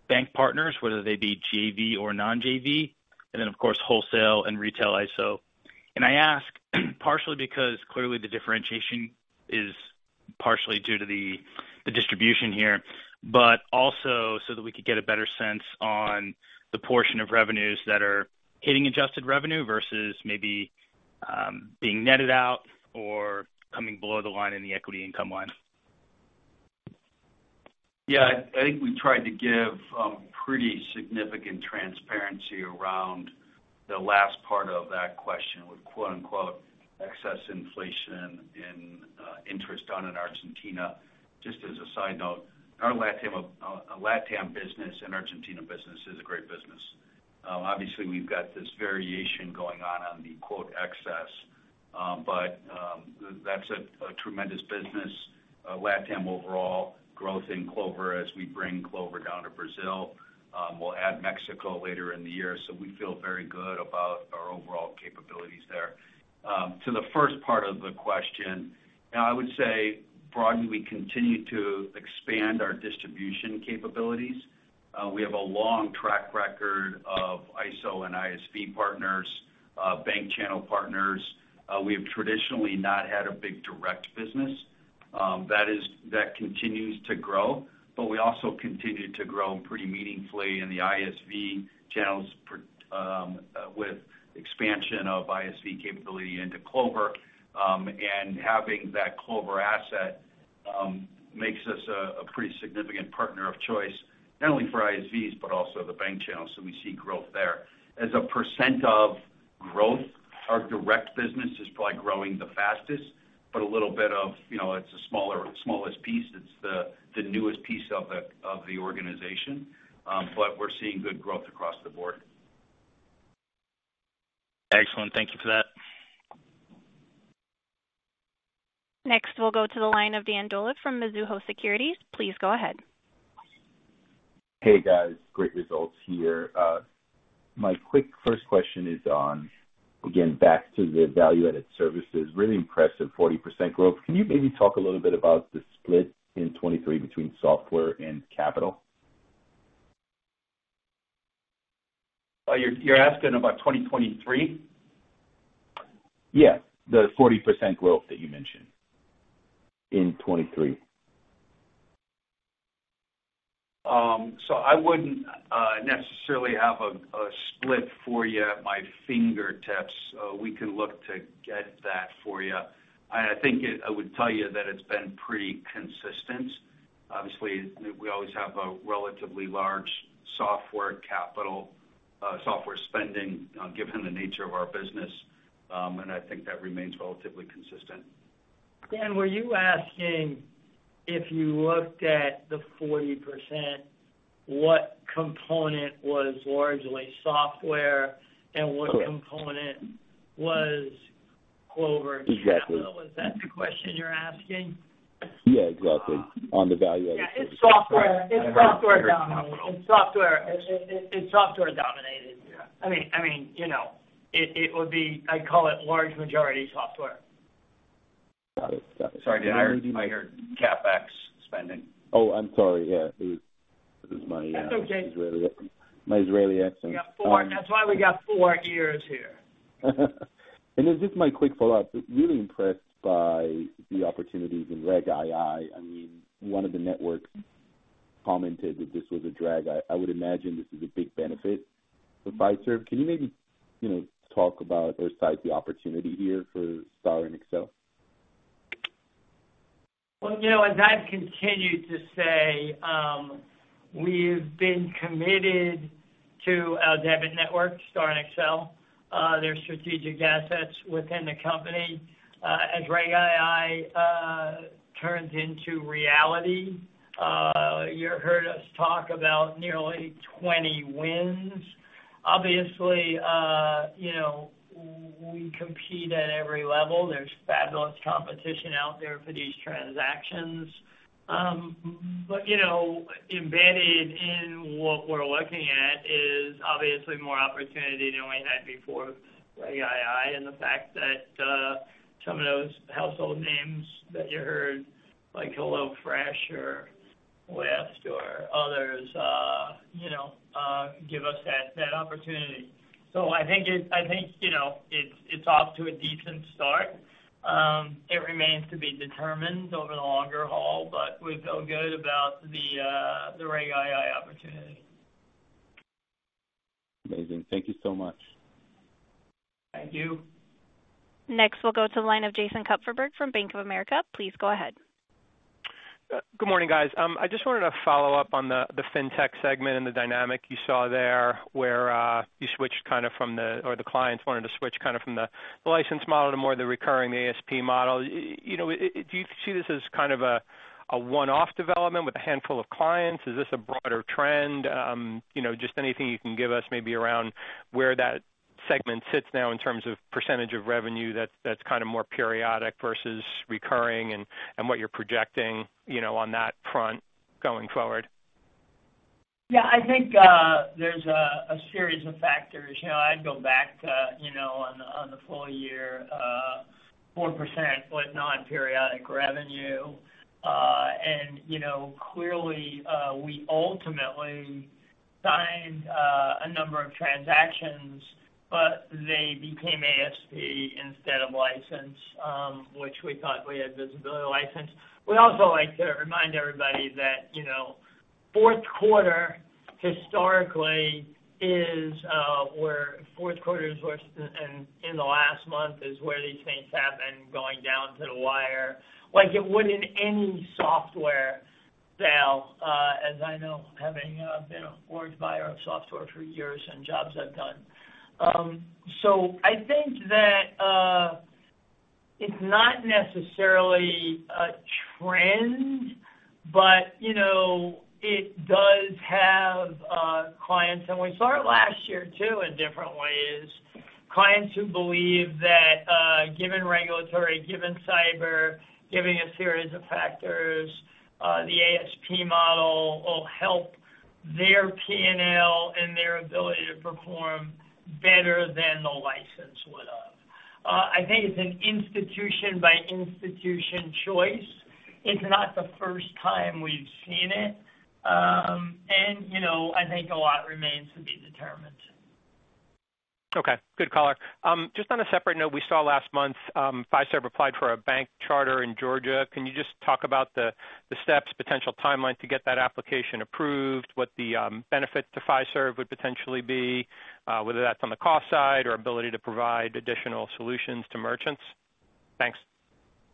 bank partners, whether they be JV or non-JV, and then of course, wholesale and retail ISO. And I ask partially because clearly the differentiation is partially due to the, the distribution here, but also so that we could get a better sense on the portion of revenues that are hitting adjusted revenue versus maybe, being netted out or coming below the line in the equity income line. Yeah, I think we've tried to give pretty significant transparency around the last part of that question with quote-unquote “excess inflation” in interest in Argentina. Just as a side note, our LatAm business and Argentina business is a great business. Obviously we've got this variation going on the quote “excess,” but that's a tremendous business. LatAm overall growth in Clover as we bring Clover down to Brazil, we'll add Mexico later in the year, so we feel very good about our overall capabilities there. To the first part of the question, I would say broadly, we continue to expand our distribution capabilities. We have a long track record of ISO and ISV partners, bank channel partners. We have traditionally not had a big direct business. That continues to grow, but we also continue to grow pretty meaningfully in the ISV channels with expansion of ISV capability into Clover. And having that Clover asset makes us a, a pretty significant partner of choice, not only for ISVs, but also the bank channels. So we see growth there. As a percent of growth, our direct business is probably growing the fastest, but a little bit of, you know, it's a smaller, smallest piece. It's the, the newest piece of the, of the organization, but we're seeing good growth across the board. Excellent. Thank you for that. Next, we'll go to the line of Dan Dolev from Mizuho Securities. Please go ahead. Hey, guys, great results here. My quick first question is on, again, back to the value-added services, really impressive 40% growth. Can you maybe talk a little bit about the split in 2023 between software and capital? You're asking about 2023? Yeah, the 40% growth that you mentioned in 2023. So I wouldn't necessarily have a split for you at my fingertips. We can look to get that for you. I think it. I would tell you that it's been pretty consistent. Obviously, we always have a relatively large software capital, software spending, given the nature of our business, and I think that remains relatively consistent. Dan, were you asking if you looked at the 40%, what component was largely software- Yeah. What component was Clover? Exactly. Was that the question you're asking? Yeah, exactly. On the value of the- Yeah, it's software. It's software dominated. It's software. It's software dominated. Yeah. I mean, you know, it would be. I'd call it large majority software. Got it. Got it. Sorry, did I hear, I hear CapEx spending? Oh, I'm sorry. Yeah, it was my, That's okay. My Israeli accent. We got four. That's why we got four ears here. And then just my quick follow-up. Really impressed by the opportunities in Reg II. I mean, one of the networks commented that this was a drag. I, I would imagine this is a big benefit for Fiserv. Can you maybe, you know, talk about or cite the opportunity here for Star and Accel? Well, you know, as I've continued to say, we've been committed to our debit network, Star and Accel. They're strategic assets within the company. As Reg II turns into reality, you heard us talk about nearly 20 wins. Obviously, you know, we compete at every level. There's fabulous competition out there for these transactions. But, you know, embedded in what we're looking at is obviously more opportunity than we had before Reg II, and the fact that, some of those household names that you heard, like HelloFresh or West or others, you know, give us that, that opportunity. So I think, you know, it's off to a decent start. It remains to be determined over the longer haul, but we feel good about the Reg II opportunity. Amazing. Thank you so much. Thank you. Next, we'll go to the line of Jason Kupferberg from Bank of America. Please go ahead. Good morning, guys. I just wanted to follow up on the Fintech segment and the dynamic you saw there, where you switched kind of from the or the clients wanted to switch kind of from the license model to more the recurring ASP model. You know, do you see this as kind of a one-off development with a handful of clients? Is this a broader trend? You know, just anything you can give us maybe around where that segment sits now in terms of percentage of revenue that's kind of more periodic versus recurring and what you're projecting, you know, on that front going forward? Yeah, I think, there's a series of factors. You know, I'd go back to, you know, on the full year, 4% with non-periodic revenue. And, you know, clearly, we ultimately signed a number of transactions, but they became ASP instead of license, which we thought we had visibility license. We also like to remind everybody that, you know, fourth quarter historically is where fourth quarter is worse in the last month, is where these things happen, going down to the wire, like it would in any software sale, as I know, having been a large buyer of software for years and jobs I've done. So I think that, it's not necessarily a trend, but, you know, it does have clients- and we saw it last year, too, in different ways. Clients who believe that, given regulatory, given cyber, given a series of factors, the ASP model will help their P&L and their ability to perform better than the license would have. I think it's an institution by institution choice. It's not the first time we've seen it. You know, I think a lot remains to be determined. Okay. Good call. Just on a separate note, we saw last month, Fiserv applied for a bank charter in Georgia. Can you just talk about the, the steps, potential timeline to get that application approved, what the, benefit to Fiserv would potentially be, whether that's on the cost side or ability to provide additional solutions to merchants? Thanks.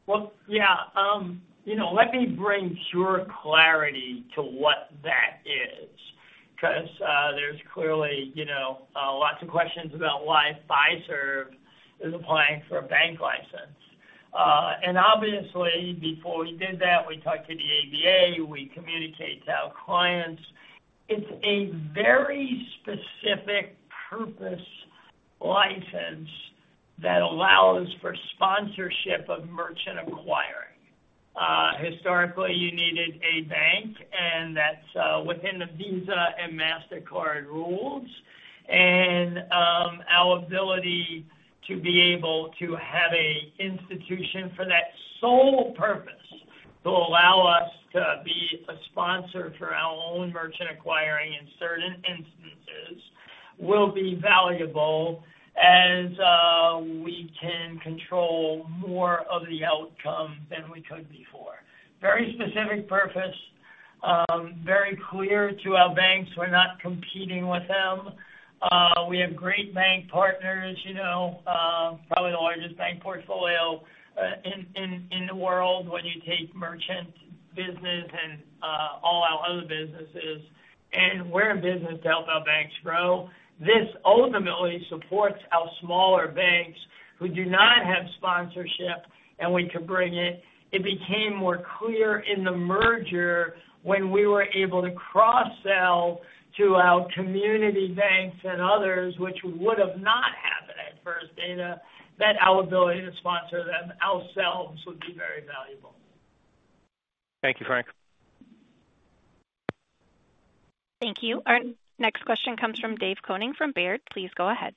Well, yeah. You know, let me bring sure clarity to what that is, 'cause there's clearly, you know, lots of questions about why Fiserv is applying for a bank license. Obviously, before we did that, we talked to the ABA, we communicated to our clients. It's a very specific purpose license that allows for sponsorship of merchant acquiring. Historically, you needed a bank, and that's within the Visa and Mastercard rules. Our ability to be able to have a institution for that sole purpose will allow us to be a sponsor for our own merchant acquiring, in certain instances, will be valuable, as we can control more of the outcome than we could before. Very specific purpose, very clear to our banks. We're not competing with them. We have great bank partners, you know, probably the largest bank portfolio in the world when you take merchant business and all our other businesses, and we're in business to help our banks grow. This ultimately supports our smaller banks who do not have sponsorship, and we can bring it. It became more clear in the merger when we were able to cross-sell to our community banks and others, which would have not happened at First Data, that our ability to sponsor them ourselves would be very valuable. Thank you, Frank. Thank you. Our next question comes from Dave Koning from Baird. Please go ahead.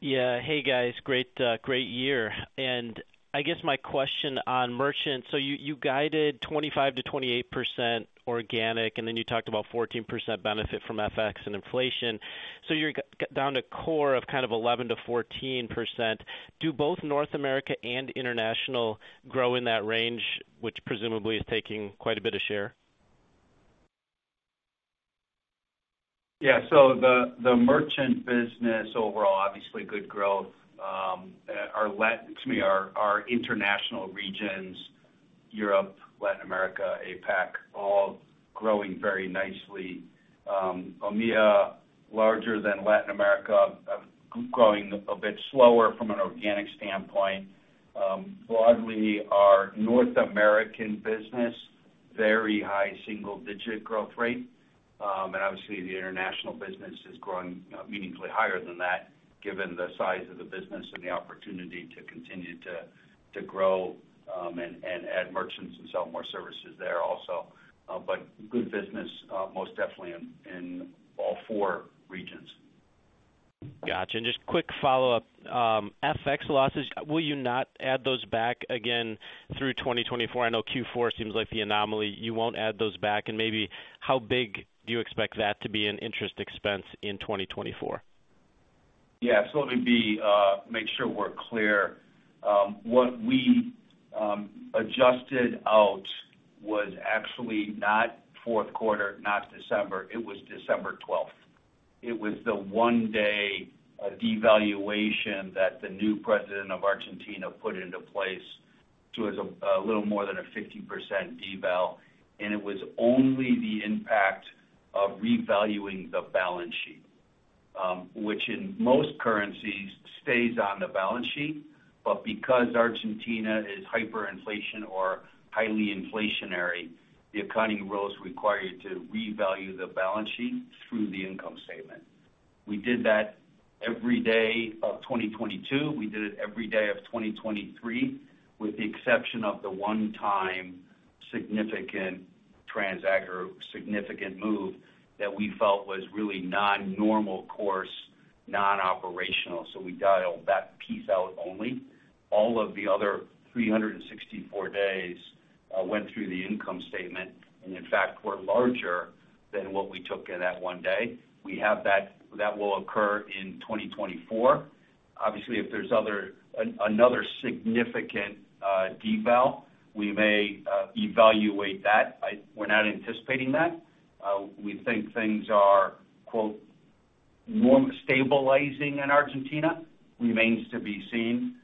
Yeah. Hey, guys. Great, great year. And I guess my question on merchant: so you guided 25%-28% organic, and then you talked about 14% benefit from FX and inflation. So you're getting down to core of kind of 11%-14%. Do both North America and international grow in that range, which presumably is taking quite a bit of share? Yeah, so the merchant business overall, obviously good growth. Excuse me, our international regions, Europe, Latin America, APAC, all growing very nicely. EMEA, larger than Latin America, growing a bit slower from an organic standpoint. Broadly, our North American business, very high single digit growth rate. And obviously, the international business is growing meaningfully higher than that, given the size of the business and the opportunity to continue to grow and add merchants and sell more services there also. But good business, most definitely in all four regions. Gotcha. Just quick follow-up. FX losses, will you not add those back again through 2024? I know Q4 seems like the anomaly. You won't add those back, and maybe how big do you expect that to be in interest expense in 2024? Yeah, so let me make sure we're clear. What we adjusted out was actually not fourth quarter, not December; it was December twelfth. It was the one-day devaluation that the new president of Argentina put into place. It was a little more than a 50% deval, and it was only the impact of revaluing the balance sheet, which in most currencies stays on the balance sheet, but because Argentina is hyperinflation or highly inflationary, the accounting rules require you to revalue the balance sheet through the income statement. We did that every day of 2022. We did it every day of 2023, with the exception of the one-time significant move that we felt was really not normal course, non-operational. So we dialed that piece out only. All of the other 364 days went through the income statement, and in fact, were larger than what we took in that one day. We have that that will occur in 2024. Obviously, if there's another significant deval, we may evaluate that. We're not anticipating that. We think things are, quote, "more stabilizing in Argentina." Remains to be seen.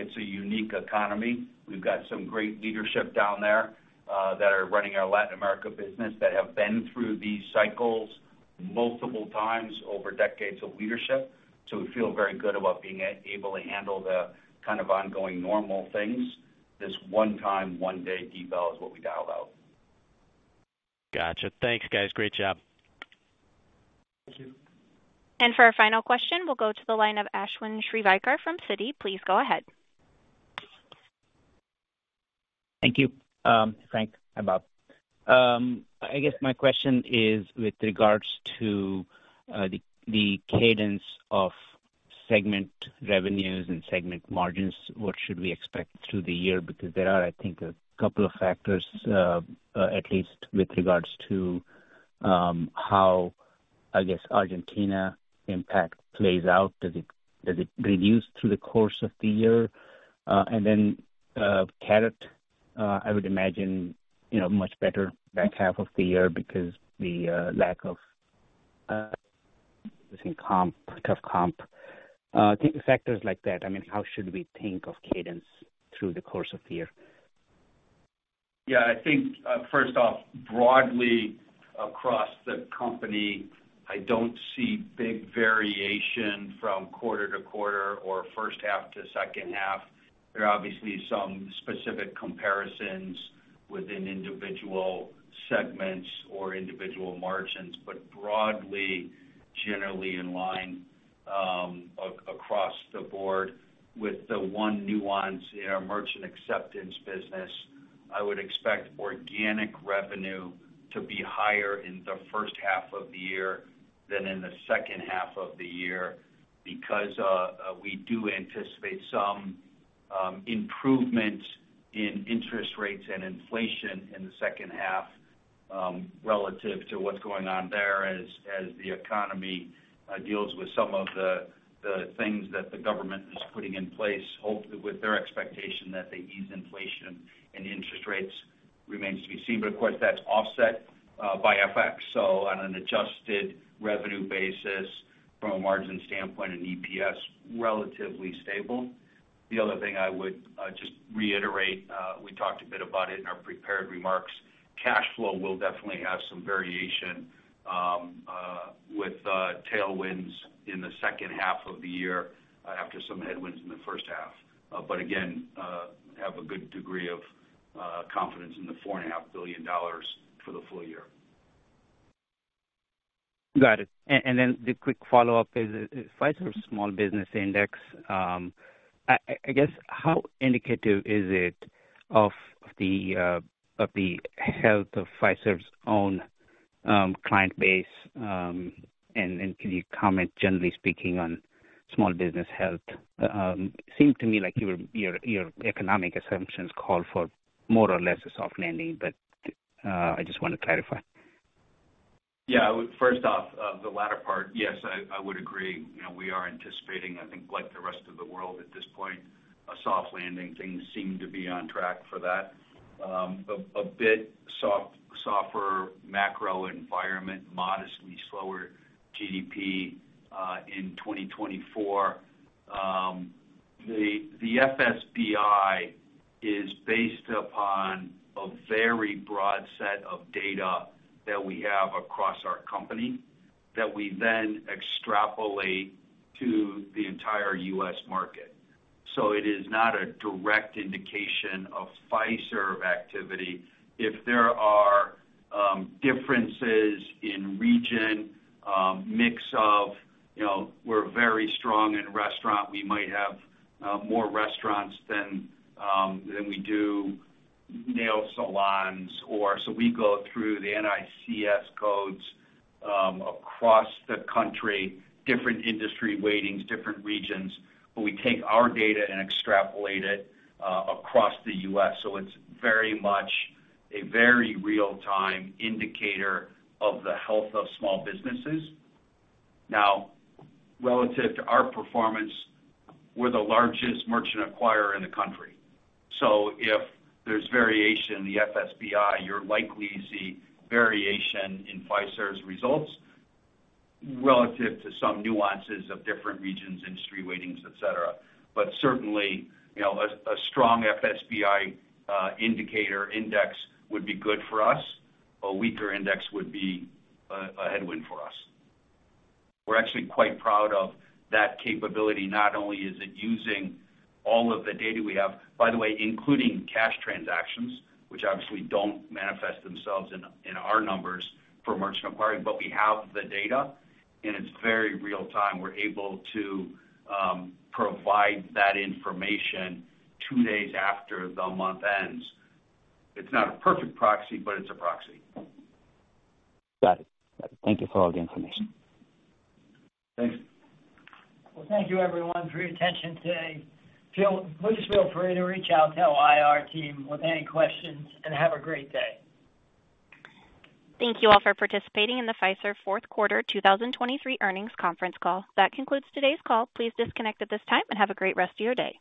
It's a unique economy. We've got some great leadership down there that are running our Latin America business that have been through these cycles multiple times over decades of leadership. So we feel very good about being able to handle the kind of ongoing normal things. This one time, one day deval is what we dialed out. Gotcha. Thanks, guys. Great job. Thank you. And for our final question, we'll go to the line of Ashwin Shirvaikar from Citi. Please go ahead. Thank you, Frank and Bob. I guess my question is with regards to the cadence of segment revenues and segment margins. What should we expect through the year? Because there are, I think, a couple of factors, at least with regards to how, I guess, Argentina impact plays out. Does it reduce through the course of the year? And then, Carat, I would imagine, you know, much better back half of the year because the lack of, I think, comp, tough comp. Think of factors like that, I mean, how should we think of cadence through the course of the year? Yeah, I think, first off, broadly across the company, I don't see big variation from quarter to quarter or first half to second half. There are obviously some specific comparisons within individual segments or individual margins, but broadly, generally in line, across the board with the one nuance in our Merchant Acceptance business. I would expect organic revenue to be higher in the first half of the year than in the second half of the year because, we do anticipate some, improvement in interest rates and inflation in the second half, relative to what's going on there as, as the economy, deals with some of the, the things that the government is putting in place, hopefully, with their expectation that they ease inflation and interest rates remains to be seen. But of course, that's offset, by FX. On an adjusted revenue basis, from a margin standpoint and EPS, relatively stable. The other thing I would just reiterate, we talked a bit about it in our prepared remarks, cash flow will definitely have some variation, with tailwinds in the second half of the year after some headwinds in the first half. But again, have a good degree of confidence in the $4.5 billion for the full year. Got it. Then the quick follow-up is, is Fiserv's Small Business Index, I guess, how indicative is it of the health of Fiserv's own client base? And can you comment, generally speaking, on small business health? Seem to me like your economic assumptions call for more or less a soft landing, but I just want to clarify. Yeah. First off, the latter part, yes, I would agree. You know, we are anticipating, I think, like the rest of the world at this point, a soft landing. Things seem to be on track for that. A bit softer macro environment, modestly slower GDP in 2024. The FSBI is based upon a very broad set of data that we have across our company, that we then extrapolate to the entire U.S. market. So it is not a direct indication of Fiserv activity. If there are differences in region, mix of, you know, we're very strong in restaurant. We might have more restaurants than we do nail salons or... So we go through the NAICS codes across the country, different industry weightings, different regions, but we take our data and extrapolate it across the U.S. So it's very much a very real-time indicator of the health of small businesses. Now, relative to our performance, we're the largest merchant acquirer in the country. So if there's variation in the FSBI, you're likely to see variation in Fiserv's results relative to some nuances of different regions, industry weightings, et cetera. But certainly, you know, a strong FSBI indicator index would be good for us. A weaker index would be a headwind for us. We're actually quite proud of that capability, not only is it using all of the data we have, by the way, including cash transactions, which obviously don't manifest themselves in our numbers for merchant acquiring, but we have the data, and it's very real time. We're able to provide that information two days after the month ends. It's not a perfect proxy, but it's a proxy. Got it. Thank you for all the information. Thanks. Well, thank you everyone for your attention today. Please feel free to reach out to our IR team with any questions, and have a great day. Thank you all for participating in the Fiserv fourth quarter 2023 earnings conference call. That concludes today's call. Please disconnect at this time and have a great rest of your day.